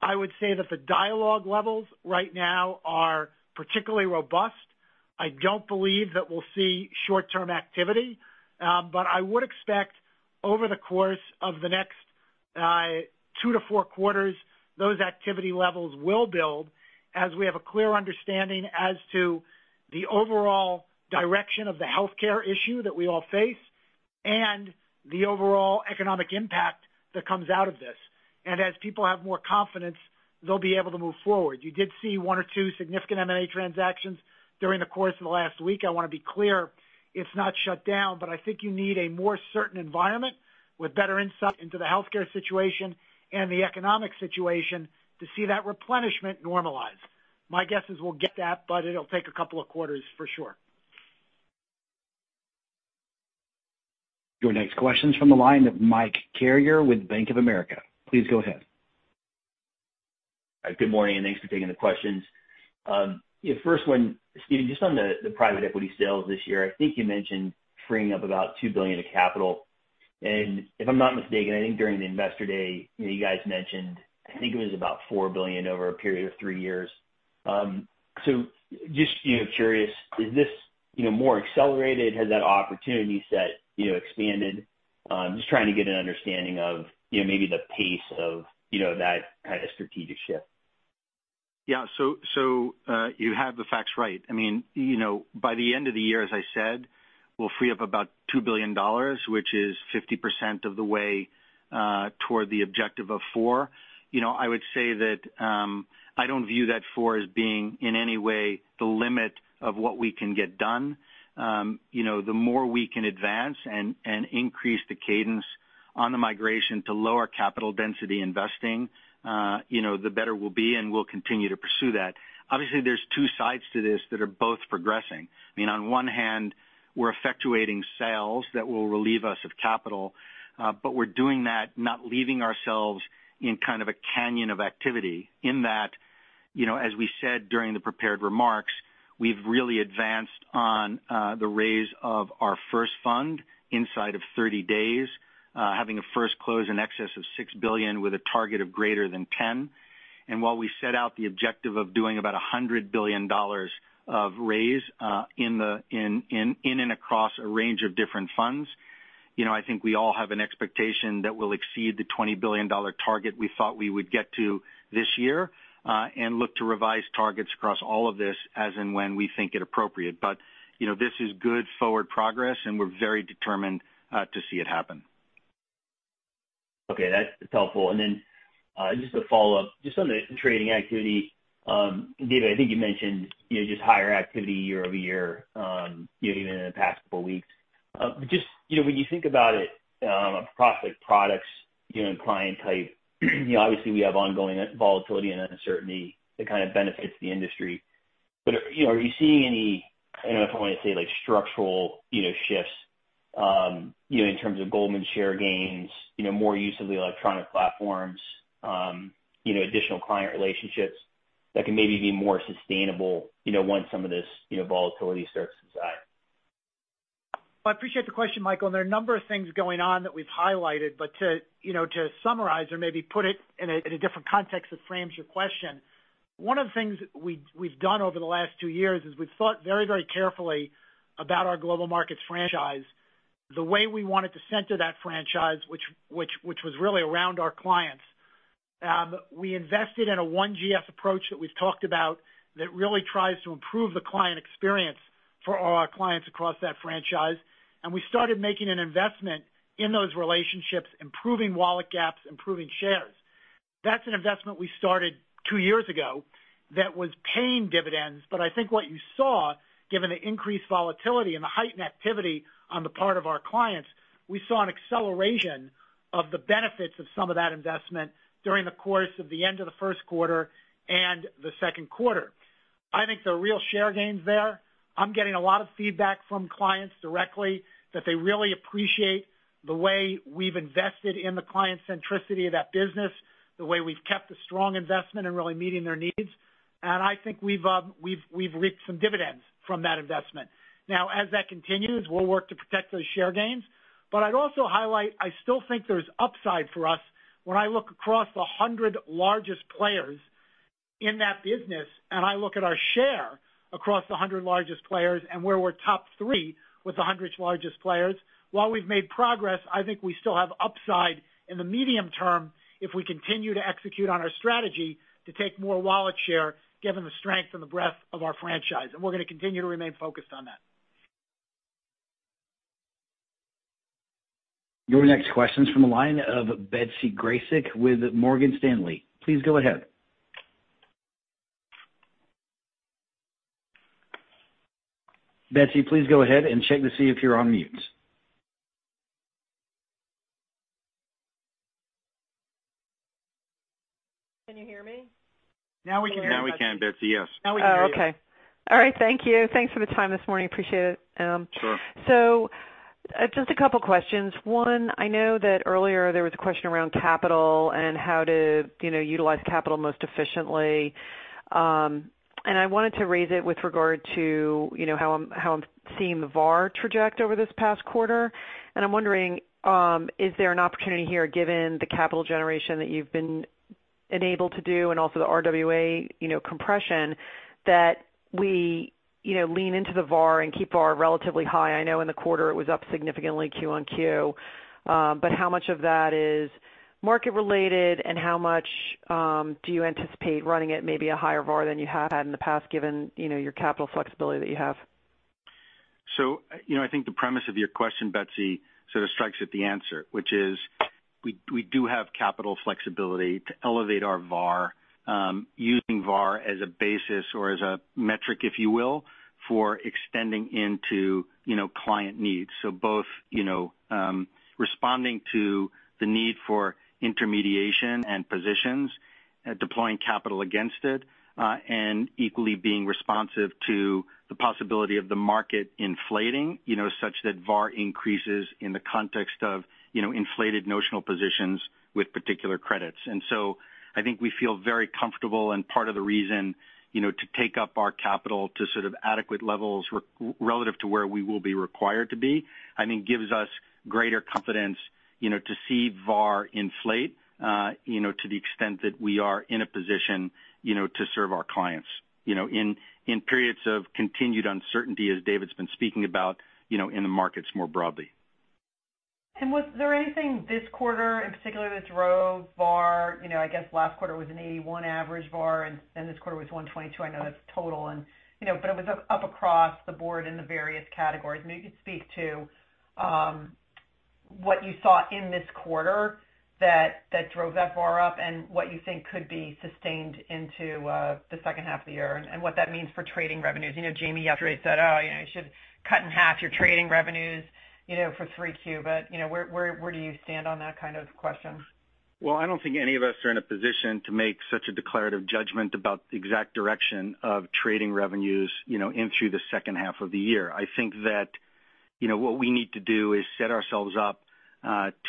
I would say that the dialogue levels right now are particularly robust. I don't believe that we'll see short-term activity. I would expect over the course of the next two to four quarters, those activity levels will build as we have a clear understanding as to the overall direction of the healthcare issue that we all face and the overall economic impact that comes out of this. As people have more confidence, they'll be able to move forward. You did see one or two significant M&A transactions during the course of the last week. I want to be clear, it's not shut down. I think you need a more certain environment with better insight into the healthcare situation and the economic situation to see that replenishment normalize. My guess is we'll get that, but it'll take a couple of quarters for sure. Your next question's from the line of Mike Carrier with Bank of America. Please go ahead. Good morning, and thanks for taking the questions. First one, Stephen, just on the private equity sales this year. I think you mentioned freeing up about $2 billion of capital. If I'm not mistaken, I think during the investor day, you guys mentioned, I think it was about $4 billion over a period of 3 years. Just curious, is this more accelerated? Has that opportunity set expanded? Just trying to get an understanding of maybe the pace of that kind of strategic shift. Yeah. You have the facts right. By the end of the year, as I said, we'll free up about $2 billion, which is 50% of the way toward the objective of four. I would say that I don't view that four as being in any way the limit of what we can get done. The more we can advance and increase the cadence on the migration to lower capital density investing, the better we'll be, and we'll continue to pursue that. Obviously, there's two sides to this that are both progressing. On one hand, we're effectuating sales that will relieve us of capital, but we're doing that, not leaving ourselves in kind of a canyon of activity. In that, as we said during the prepared remarks, we've really advanced on the raise of our first fund inside of 30 days, having a first close in excess of $6 billion with a target of greater than 10. While we set out the objective of doing about $100 billion of raise in and across a range of different funds, I think we all have an expectation that we'll exceed the $20 billion target we thought we would get to this year, and look to revise targets across all of this as and when we think it appropriate. This is good forward progress, and we're very determined to see it happen. Okay. That's helpful. Just a follow-up, just on the trading activity. David, I think you mentioned just higher activity year-over-year even in the past couple weeks. Just when you think about it across products and client type, obviously we have ongoing volatility and uncertainty that kind of benefits the industry. Are you seeing any, I don't know if I want to say like structural shifts in terms of Goldman share gains, more use of the electronic platforms, additional client relationships that can maybe be more sustainable once some of this volatility starts to die? I appreciate the question, Michael. There are a number of things going on that we've highlighted. To summarize or maybe put it in a different context that frames your question, one of the things we've done over the last two years is we've thought very carefully about our global markets franchise, the way we wanted to center that franchise, which was really around our clients. We invested in a One Goldman Sachs approach that we've talked about that really tries to improve the client experience for all our clients across that franchise. We started making an investment in those relationships, improving wallet gaps, improving shares. That's an investment we started two years ago that was paying dividends. I think what you saw, given the increased volatility and the heightened activity on the part of our clients, we saw an acceleration of the benefits of some of that investment during the course of the end of the first quarter and the second quarter. I think there are real share gains there. I'm getting a lot of feedback from clients directly that they really appreciate the way we've invested in the client centricity of that business, the way we've kept a strong investment in really meeting their needs. I think we've reaped some dividends from that investment. As that continues, we'll work to protect those share gains. I'd also highlight, I still think there's upside for us when I look across the 100 largest players in that business, and I look at our share across the 100 largest players and where we're top three with the 100 largest players. While we've made progress, I think we still have upside in the medium term if we continue to execute on our strategy to take more wallet share, given the strength and the breadth of our franchise. We're going to continue to remain focused on that. Your next question is from the line of Betsy Graseck with Morgan Stanley. Please go ahead. Betsy, please go ahead and check to see if you're on mute. Can you hear me? Now we can. Now we can, Betsy. Yes. Now we can hear you. Oh, okay. All right. Thank you. Thanks for the time this morning. Appreciate it. Sure. Just a couple questions. One, I know that earlier there was a question around capital and how to utilize capital most efficiently. I wanted to raise it with regard to how I'm seeing the VaR traject over this past quarter. I'm wondering, is there an opportunity here given the capital generation that you've been enabled to do and also the RWA compression that we lean into the VaR and keep VaR relatively high? I know in the quarter it was up significantly Q-on-Q. How much of that is market related, and how much do you anticipate running it maybe a higher VaR than you have had in the past, given your capital flexibility that you have? I think the premise of your question, Betsy, sort of strikes at the answer, which is we do have capital flexibility to elevate our VaR using VaR as a basis or as a metric, if you will, for extending into client needs. Both responding to the need for intermediation and positions, deploying capital against it, and equally being responsive to the possibility of the market inflating such that VaR increases in the context of inflated notional positions with particular credits. I think we feel very comfortable and part of the reason to take up our capital to sort of adequate levels relative to where we will be required to be, I mean, gives us greater confidence to see VaR inflate to the extent that we are in a position to serve our clients in periods of continued uncertainty as David's been speaking about in the markets more broadly. Was there anything this quarter in particular that drove VaR? I guess last quarter was an 81 average VaR, and this quarter was 122. I know that's total, but it was up across the board in the various categories. Maybe you could speak to what you saw in this quarter that drove that VaR up and what you think could be sustained into the second half of the year, and what that means for trading revenues. Jamie yesterday said, "Oh, you should cut in half your trading revenues for 3Q." Where do you stand on that kind of question? Well, I don't think any of us are in a position to make such a declarative judgment about the exact direction of trading revenues in through the second half of the year. I think that what we need to do is set ourselves up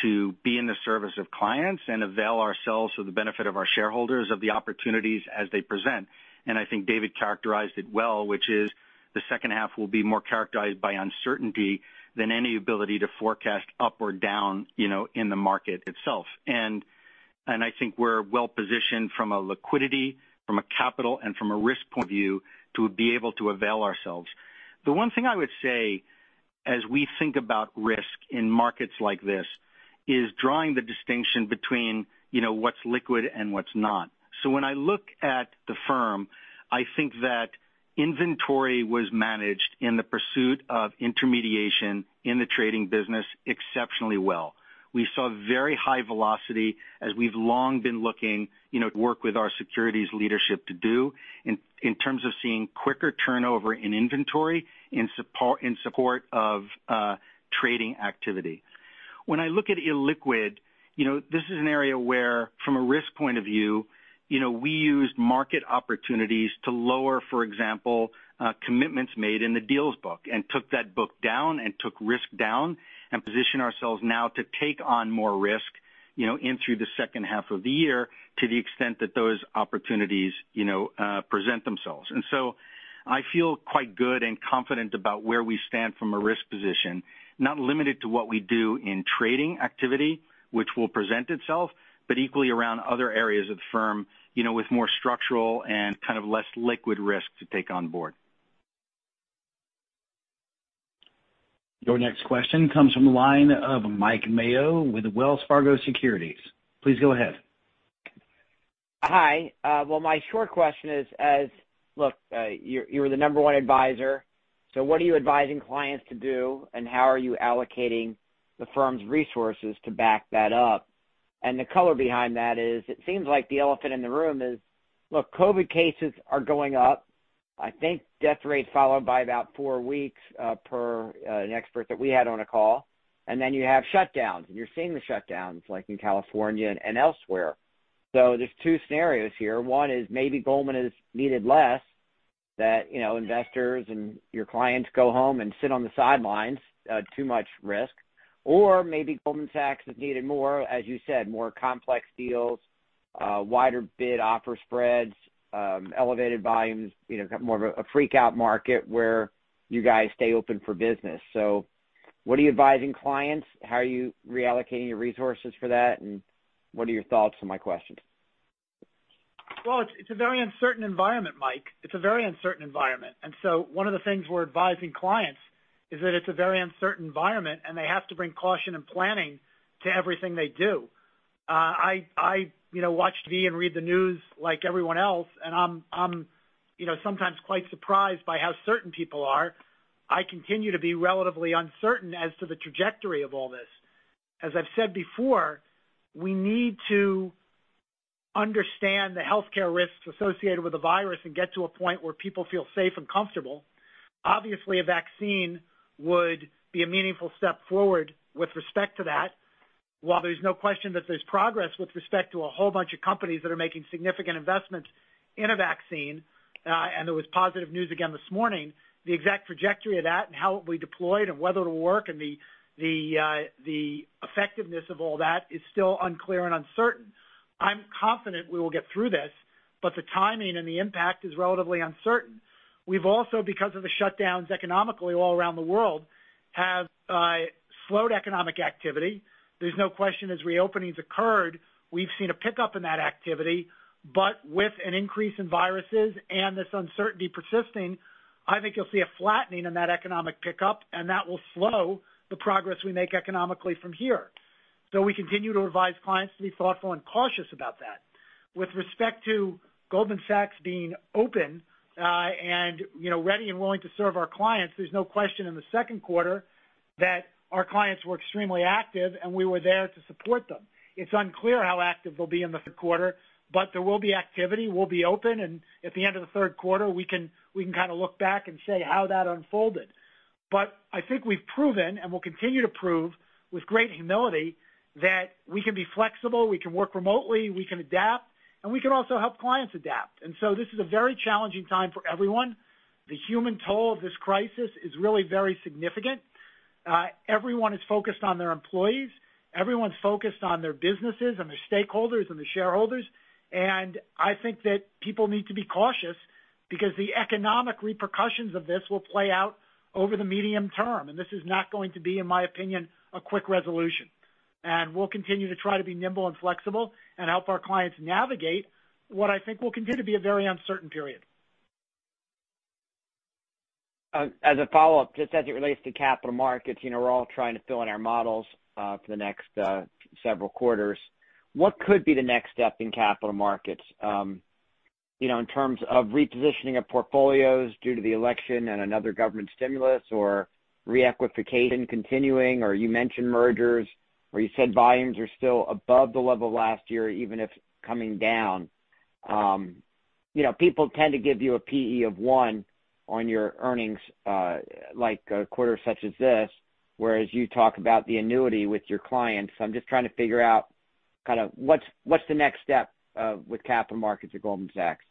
to be in the service of clients and avail ourselves of the benefit of our shareholders of the opportunities as they present. I think David characterized it well, which is the second half will be more characterized by uncertainty than any ability to forecast up or down in the market itself. I think we're well-positioned from a liquidity, from a capital, and from a risk point of view to be able to avail ourselves. The one thing I would say as we think about risk in markets like this is drawing the distinction between what's liquid and what's not. When I look at the firm, I think that inventory was managed in the pursuit of intermediation in the trading business exceptionally well. We saw very high velocity as we've long been looking to work with our securities leadership to do in terms of seeing quicker turnover in inventory in support of trading activity. When I look at illiquid, this is an area where, from a risk point of view, we used market opportunities to lower, for example, commitments made in the deals book and took that book down and took risk down and position ourselves now to take on more risk in through the second half of the year to the extent that those opportunities present themselves. I feel quite good and confident about where we stand from a risk position, not limited to what we do in trading activity, which will present itself, but equally around other areas of the firm with more structural and kind of less liquid risk to take on board. Your next question comes from the line of Mike Mayo with Wells Fargo Securities. Please go ahead. Hi. Well, my short question is, look, you're the number one advisor. What are you advising clients to do, and how are you allocating the firm's resources to back that up? The color behind that is it seems like the elephant in the room is, look, COVID cases are going up. I think death rates followed by about four weeks per an expert that we had on a call. You have shutdowns, and you're seeing the shutdowns like in California and elsewhere. There's two scenarios here. One is maybe Goldman is needed less, that investors and your clients go home and sit on the sidelines, too much risk. Maybe Goldman Sachs is needed more, as you said, more complex deals, wider bid offer spreads, elevated volumes, more of a freak out market where you guys stay open for business. What are you advising clients? How are you reallocating your resources for that, and what are your thoughts on my questions? Well, it's a very uncertain environment, Mike. It's a very uncertain environment. One of the things we're advising clients is that it's a very uncertain environment, and they have to bring caution and planning to everything they do. I watch TV and read the news like everyone else, and I'm sometimes quite surprised by how certain people are. I continue to be relatively uncertain as to the trajectory of all this. As I've said before, we need to understand the healthcare risks associated with the virus and get to a point where people feel safe and comfortable. Obviously, a vaccine would be a meaningful step forward with respect to that. While there's no question that there's progress with respect to a whole bunch of companies that are making significant investments in a vaccine, and there was positive news again this morning, the exact trajectory of that and how it will be deployed and whether it'll work, and the effectiveness of all that is still unclear and uncertain. I'm confident we will get through this, but the timing and the impact is relatively uncertain. We've also, because of the shutdowns economically all around the world, have slowed economic activity. There's no question as reopenings occurred, we've seen a pickup in that activity. With an increase in viruses and this uncertainty persisting, I think you'll see a flattening in that economic pickup, and that will slow the progress we make economically from here. We continue to advise clients to be thoughtful and cautious about that. With respect to Goldman Sachs being open, and ready and willing to serve our clients, there's no question in the second quarter that our clients were extremely active, and we were there to support them. It's unclear how active they'll be in the third quarter, but there will be activity. We'll be open, and at the end of the third quarter, we can look back and say how that unfolded. I think we've proven, and will continue to prove with great humility, that we can be flexible, we can work remotely, we can adapt, and we can also help clients adapt. This is a very challenging time for everyone. The human toll of this crisis is really very significant. Everyone is focused on their employees. Everyone's focused on their businesses and their stakeholders and their shareholders. I think that people need to be cautious because the economic repercussions of this will play out over the medium term. This is not going to be, in my opinion, a quick resolution. We'll continue to try to be nimble and flexible and help our clients navigate what I think will continue to be a very uncertain period. As a follow-up, just as it relates to capital markets, we're all trying to fill in our models for the next several quarters. What could be the next step in capital markets in terms of repositioning of portfolios due to the election and another government stimulus or re-equitification continuing, or you mentioned mergers, or you said volumes are still above the level last year, even if coming down. People tend to give you a PE of one on your earnings like a quarter such as this, whereas you talk about the annuity with your clients. I'm just trying to figure out what's the next step with capital markets at Goldman Sachs.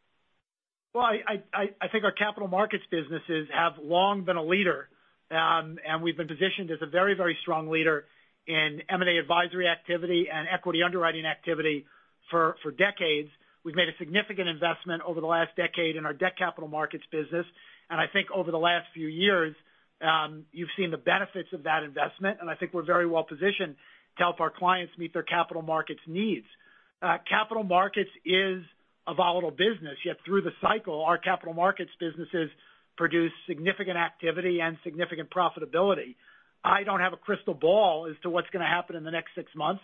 Well, I think our capital markets businesses have long been a leader, and we've been positioned as a very strong leader in M&A advisory activity and equity underwriting activity for decades. We've made a significant investment over the last decade in our debt capital markets business, and I think over the last few years, you've seen the benefits of that investment, and I think we're very well positioned to help our clients meet their capital markets needs. Capital markets is a volatile business, yet through the cycle, our capital markets businesses produce significant activity and significant profitability. I don't have a crystal ball as to what's going to happen in the next six months.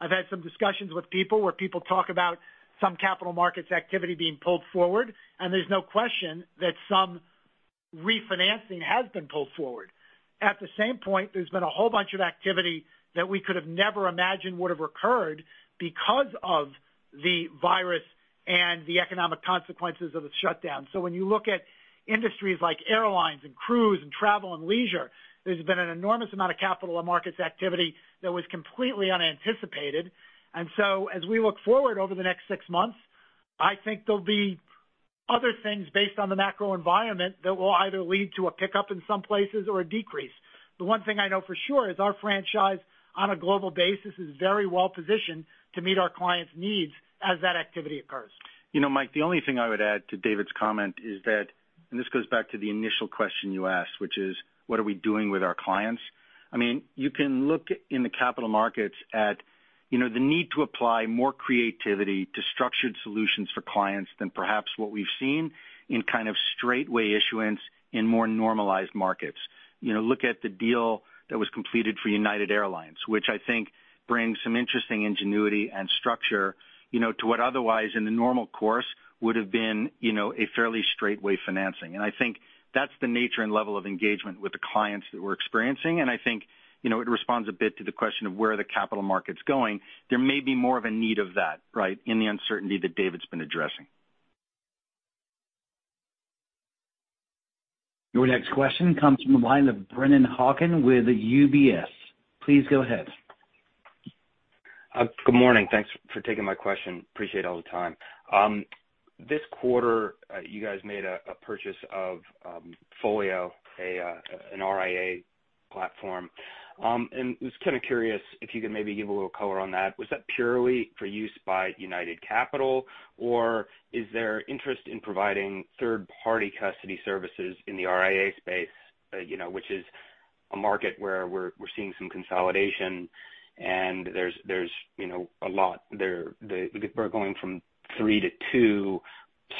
I've had some discussions with people where people talk about some capital markets activity being pulled forward, and there's no question that some refinancing has been pulled forward. At the same point, there's been a whole bunch of activity that we could have never imagined would have occurred because of the virus and the economic consequences of the shutdown. When you look at industries like airlines and cruise and travel and leisure, there's been an enormous amount of capital and markets activity that was completely unanticipated. As we look forward over the next six months, I think there'll be other things based on the macro environment that will either lead to a pickup in some places or a decrease. The one thing I know for sure is our franchise on a global basis is very well positioned to meet our clients' needs as that activity occurs. Mike, the only thing I would add to David's comment is that, this goes back to the initial question you asked, which is what are we doing with our clients? You can look in the capital markets at the need to apply more creativity to structured solutions for clients than perhaps what we've seen in straight debt issuance in more normalized markets. Look at the deal that was completed for United Airlines, which I think brings some interesting ingenuity and structure to what otherwise in the normal course would have been a fairly straight debt financing. I think that's the nature and level of engagement with the clients that we're experiencing, and I think it responds a bit to the question of where the capital market's going. There may be more of a need of that in the uncertainty that David's been addressing. Your next question comes from the line of Brennan Hawken with UBS. Please go ahead. Good morning. Thanks for taking my question. Appreciate all the time. This quarter, you guys made a purchase of Folio, an RIA platform. I was kind of curious if you could maybe give a little color on that. Was that purely for use by United Capital, or is there interest in providing third-party custody services in the RIA space which is a market where we're seeing some consolidation and there's a lot there. We're going from three to two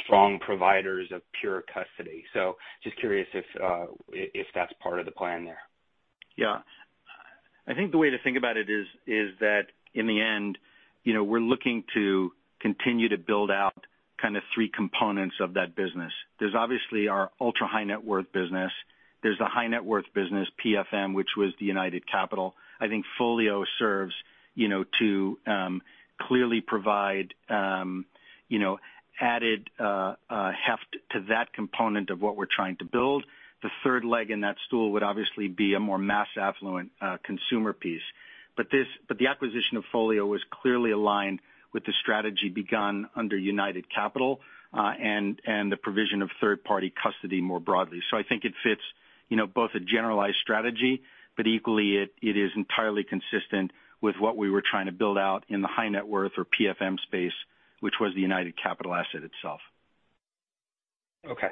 strong providers of pure custody. I was just curious if that's part of the plan there. Yeah. I think the way to think about it is that in the end, we're looking to continue to build out three components of that business. There's obviously our ultra-high net worth business. There's the high net worth business, PFM, which was the United Capital. I think Folio serves to clearly provide added heft to that component of what we're trying to build. The third leg in that stool would obviously be a more mass affluent consumer piece. The acquisition of Folio was clearly aligned with the strategy begun under United Capital, and the provision of third-party custody more broadly. I think it fits both a generalized strategy, but equally it is entirely consistent with what we were trying to build out in the high net worth or PFM space, which was the United Capital asset itself. Okay.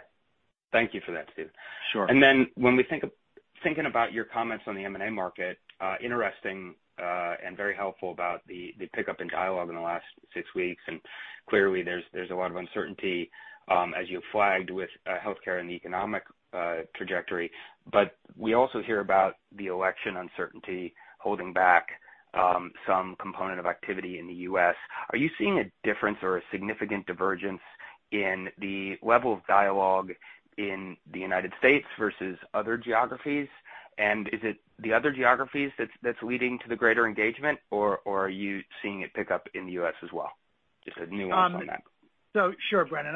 Thank you for that, Steve. Sure. When we thinking about your comments on the M&A market, interesting and very helpful about the pickup in dialogue in the last six weeks. Clearly there's a lot of uncertainty as you flagged with healthcare and the economic trajectory. We also hear about the election uncertainty holding back some component of activity in the U.S. Are you seeing a difference or a significant divergence in the level of dialogue in the United States versus other geographies? Is it the other geographies that's leading to the greater engagement, or are you seeing it pick up in the U.S. as well? Just a nuance on that. Sure, Brennan.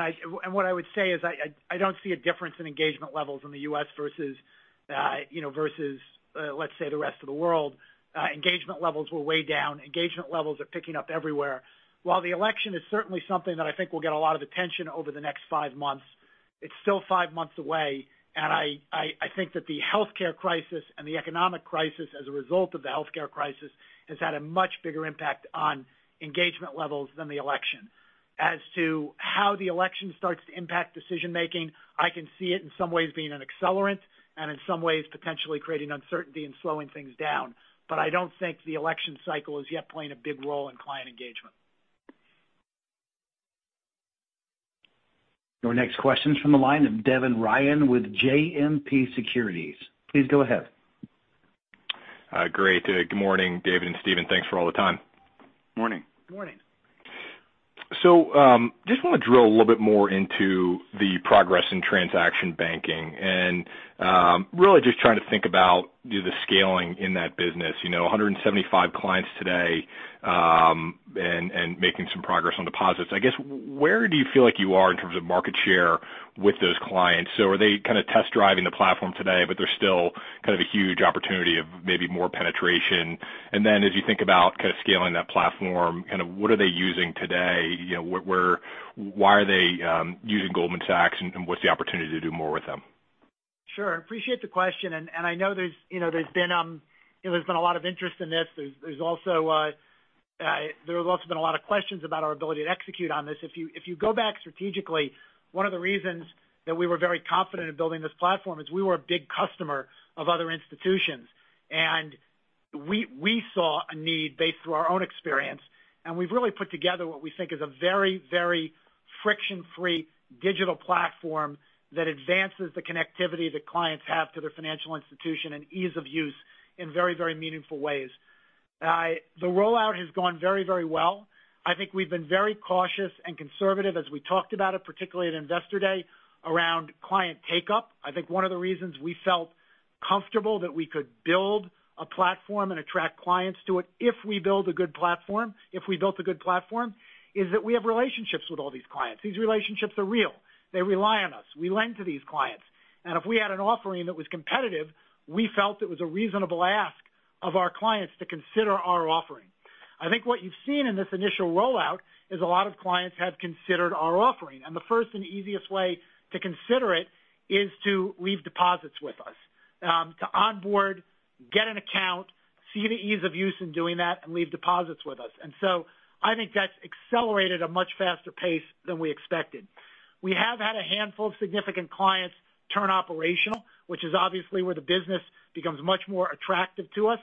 What I would say is I don't see a difference in engagement levels in the U.S. versus let's say, the rest of the world. Engagement levels were way down. Engagement levels are picking up everywhere. While the election is certainly something that I think will get a lot of attention over the next 5 months, it's still 5 months away, and I think that the healthcare crisis and the economic crisis as a result of the healthcare crisis has had a much bigger impact on engagement levels than the election. As to how the election starts to impact decision making, I can see it in some ways being an accelerant and in some ways potentially creating uncertainty and slowing things down. I don't think the election cycle is yet playing a big role in client engagement. Your next question is from the line of Devin Ryan with JMP Securities. Please go ahead. Great. Good morning, David and Stephen. Thanks for all the time. Morning. Morning. Just want to drill a little bit more into the progress in transaction banking, and really just trying to think about the scaling in that business. 175 clients today, and making some progress on deposits. I guess, where do you feel like you are in terms of market share with those clients? Are they kind of test driving the platform today, but there's still kind of a huge opportunity of maybe more penetration. As you think about kind of scaling that platform, what are they using today? Why are they using Goldman Sachs and what's the opportunity to do more with them? Sure. Appreciate the question. I know there's been a lot of interest in this. There has also been a lot of questions about our ability to execute on this. If you go back strategically, one of the reasons that we were very confident in building this platform is we were a big customer of other institutions. We saw a need based through our own experience, and we've really put together what we think is a very friction-free digital platform that advances the connectivity that clients have to their financial institution and ease of use in very meaningful ways. The rollout has gone very well. I think we've been very cautious and conservative as we talked about it, particularly at Investor Day around client take-up. I think one of the reasons we felt comfortable that we could build a platform and attract clients to it if we built a good platform, is that we have relationships with all these clients. These relationships are real. They rely on us. We lend to these clients. If we had an offering that was competitive, we felt it was a reasonable ask of our clients to consider our offering. I think what you've seen in this initial rollout is a lot of clients have considered our offering. The first and easiest way to consider it is to leave deposits with us. To onboard, get an account, see the ease of use in doing that, and leave deposits with us. I think that's accelerated a much faster pace than we expected. We have had a handful of significant clients turn operational, which is obviously where the business becomes much more attractive to us.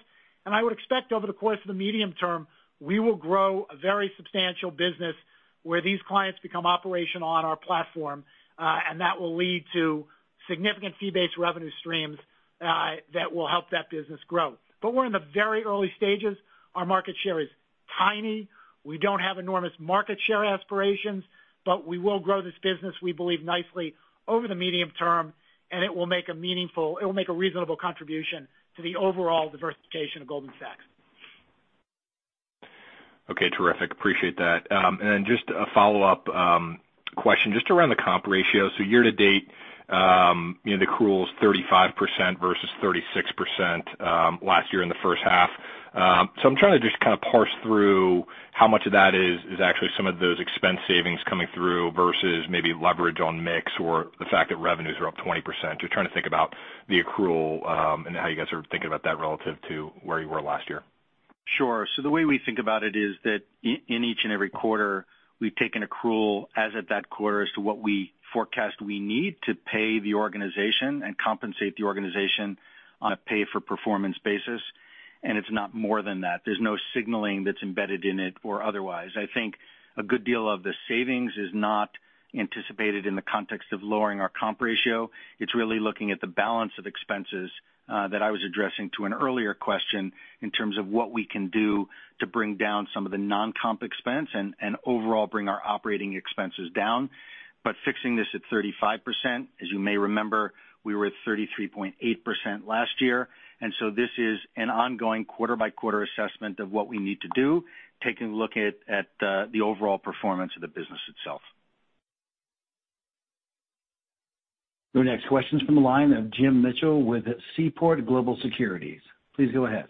I would expect over the course of the medium term, we will grow a very substantial business where these clients become operational on our platform, and that will lead to significant fee-based revenue streams that will help that business grow. We're in the very early stages. Our market share is tiny. We don't have enormous market share aspirations, we will grow this business, we believe, nicely over the medium term, and it will make a reasonable contribution to the overall diversification of Goldman Sachs. Okay, terrific. Appreciate that. Just a follow-up question, just around the comp ratio. Year to date, the accrual is 35% versus 36% last year in the first half. I'm trying to just kind of parse through how much of that is actually some of those expense savings coming through versus maybe leverage on mix or the fact that revenues are up 20%. Just trying to think about the accrual, and how you guys are thinking about that relative to where you were last year. Sure. The way we think about it is that in each and every quarter, we've taken accrual as of that quarter as to what we forecast we need to pay the organization and compensate the organization on a pay-for-performance basis, and it's not more than that. There's no signaling that's embedded in it or otherwise. I think a good deal of the savings is not anticipated in the context of lowering our comp ratio. It's really looking at the balance of expenses that I was addressing to an earlier question in terms of what we can do to bring down some of the non-comp expense, and overall bring our operating expenses down. Fixing this at 35%, as you may remember, we were at 33.8% last year. This is an ongoing quarter-by-quarter assessment of what we need to do, taking a look at the overall performance of the business itself. Your next question's from the line of James Mitchell with Seaport Global Securities. Please go ahead.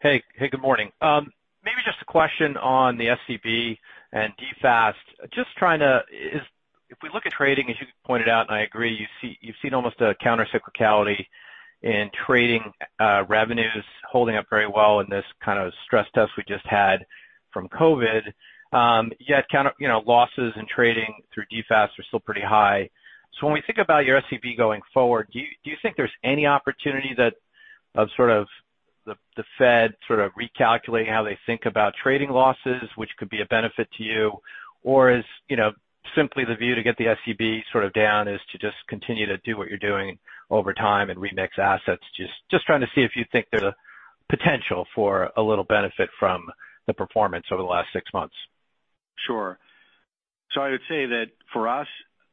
Hey, good morning. Maybe just a question on the SCB and DFAST. If we look at trading, as you pointed out, and I agree, you've seen almost a countercyclicality in trading revenues holding up very well in this kind of stress test we just had from COVID. Yet losses in trading through DFAST are still pretty high. When we think about your SCB going forward, do you think there's any opportunity that of the Fed sort of recalculating how they think about trading losses, which could be a benefit to you? Is simply the view to get the SCB sort of down is to just continue to do what you're doing over time and remix assets? Just trying to see if you think there's a potential for a little benefit from the performance over the last six months. Sure. I would say that for us,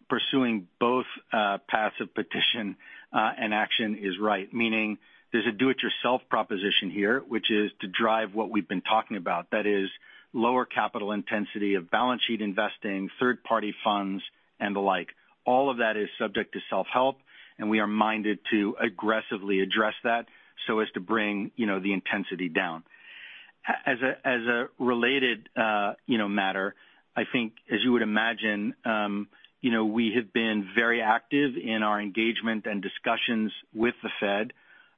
pursuing both paths of petition and action is right, meaning there's a do-it-yourself proposition here, which is to drive what we've been talking about. That is lower capital intensity of balance sheet investing, third-party funds and the like. All of that is subject to self-help, and we are minded to aggressively address that so as to bring the intensity down. As a related matter, I think, as you would imagine we have been very active in our engagement and discussions with the Fed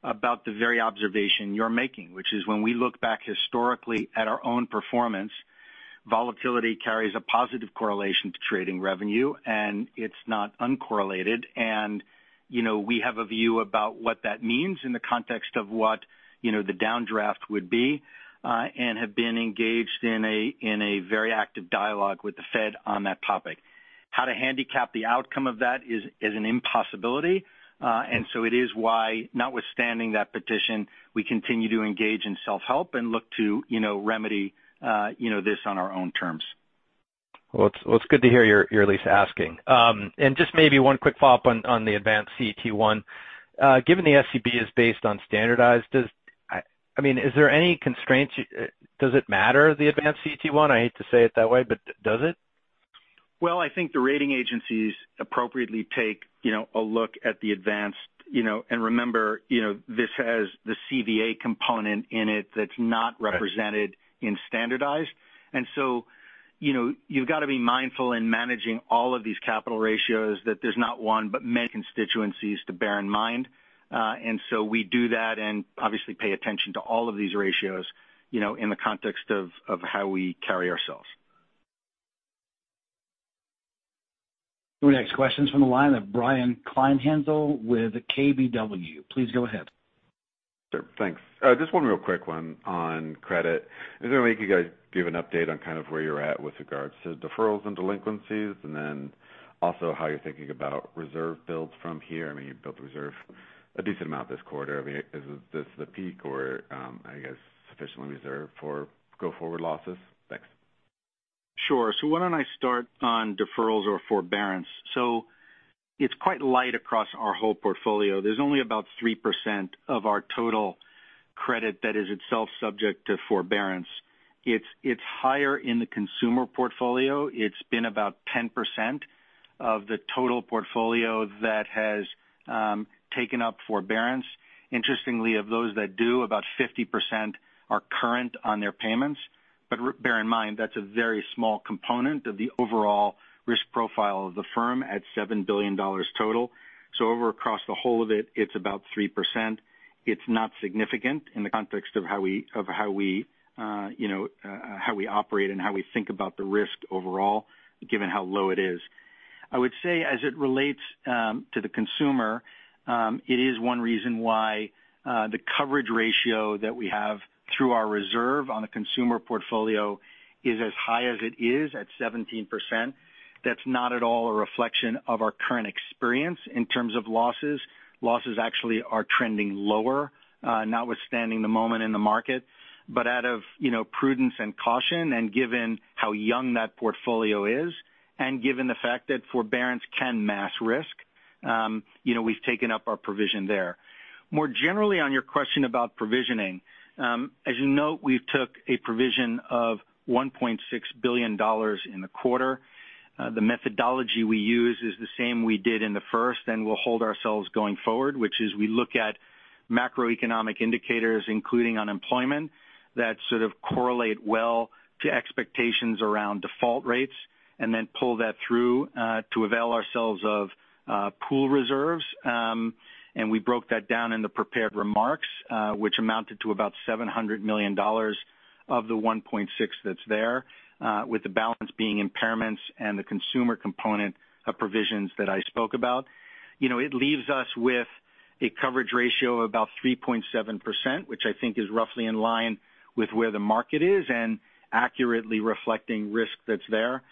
about the very observation you're making, which is when we look back historically at our own performance, volatility carries a positive correlation to trading revenue, and it's not uncorrelated. We have a view about what that means in the context of what the downdraft would be, and have been engaged in a very active dialogue with the Fed on that topic. How to handicap the outcome of that is an impossibility. It is why, notwithstanding that petition, we continue to engage in self-help and look to remedy this on our own terms. Well, it's good to hear you're at least asking. Just maybe one quick follow-up on the advanced CET1. Given the SCB is based on standardized, is there any constraints? Does it matter, the advanced CET1? I hate to say it that way, does it? Well, I think the rating agencies appropriately take a look at the advanced. Remember, this has the CVA component in it that's not represented in standardized. You've got to be mindful in managing all of these capital ratios that there's not one, but many constituencies to bear in mind. We do that and obviously pay attention to all of these ratios in the context of how we carry ourselves. Your next question's from the line of Brian Kleinhanzl with KBW. Please go ahead. Sure, thanks. Just one real quick one on credit. I was wondering if you guys could give an update on kind of where you're at with regards to deferrals and delinquencies, and then also how you're thinking about reserve builds from here. I mean, you built the reserve a decent amount this quarter. Is this the peak or are you guys sufficiently reserved for go-forward losses? Thanks. Sure. Why don't I start on deferrals or forbearance. It's quite light across our whole portfolio. There's only about 3% of our total credit that is itself subject to forbearance. It's higher in the consumer portfolio. It's been about 10% of the total portfolio that has taken up forbearance. Interestingly, of those that do, about 50% are current on their payments. Bear in mind, that's a very small component of the overall risk profile of the firm at $7 billion total. Over across the whole of it's about 3%. It's not significant in the context of how we operate and how we think about the risk overall, given how low it is. I would say as it relates to the consumer, it is one reason why the coverage ratio that we have through our reserve on a consumer portfolio is as high as it is at 17%. That's not at all a reflection of our current experience in terms of losses. Losses actually are trending lower, notwithstanding the moment in the market. Out of prudence and caution, and given how young that portfolio is, and given the fact that forbearance can mask risk, we've taken up our provision there. More generally on your question about provisioning, as you note, we took a provision of $1.6 billion in the quarter. The methodology we use is the same we did in the first and will hold ourselves going forward, which is we look at macroeconomic indicators, including unemployment, that sort of correlate well to expectations around default rates and then pull that through to avail ourselves of pool reserves. We broke that down in the prepared remarks, which amounted to about $700 million of the $1.6 billion that's there, with the balance being impairments and the consumer component of provisions that I spoke about. It leaves us with a coverage ratio of about 3.7%, which I think is roughly in line with where the market is and accurately reflecting risk that's there.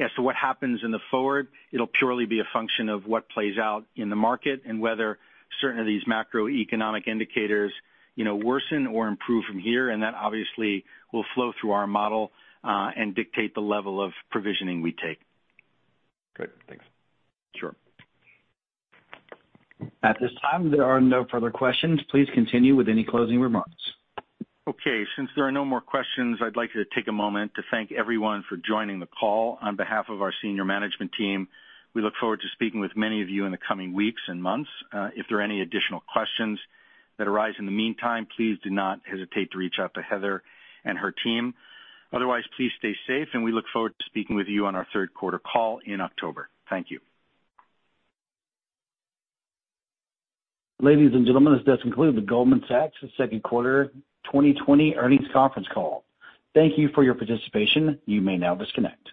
As to what happens in the forward, it'll purely be a function of what plays out in the market and whether certain of these macroeconomic indicators worsen or improve from here. That obviously will flow through our model and dictate the level of provisioning we take. Great. Thanks. Sure. At this time, there are no further questions. Please continue with any closing remarks. Okay. Since there are no more questions, I'd like to take a moment to thank everyone for joining the call. On behalf of our senior management team, we look forward to speaking with many of you in the coming weeks and months. If there are any additional questions that arise in the meantime, please do not hesitate to reach out to Heather and her team. Otherwise, please stay safe, and we look forward to speaking with you on our third quarter call in October. Thank you. Ladies and gentlemen, this does conclude the Goldman Sachs second quarter 2020 earnings conference call. Thank you for your participation. You may now disconnect.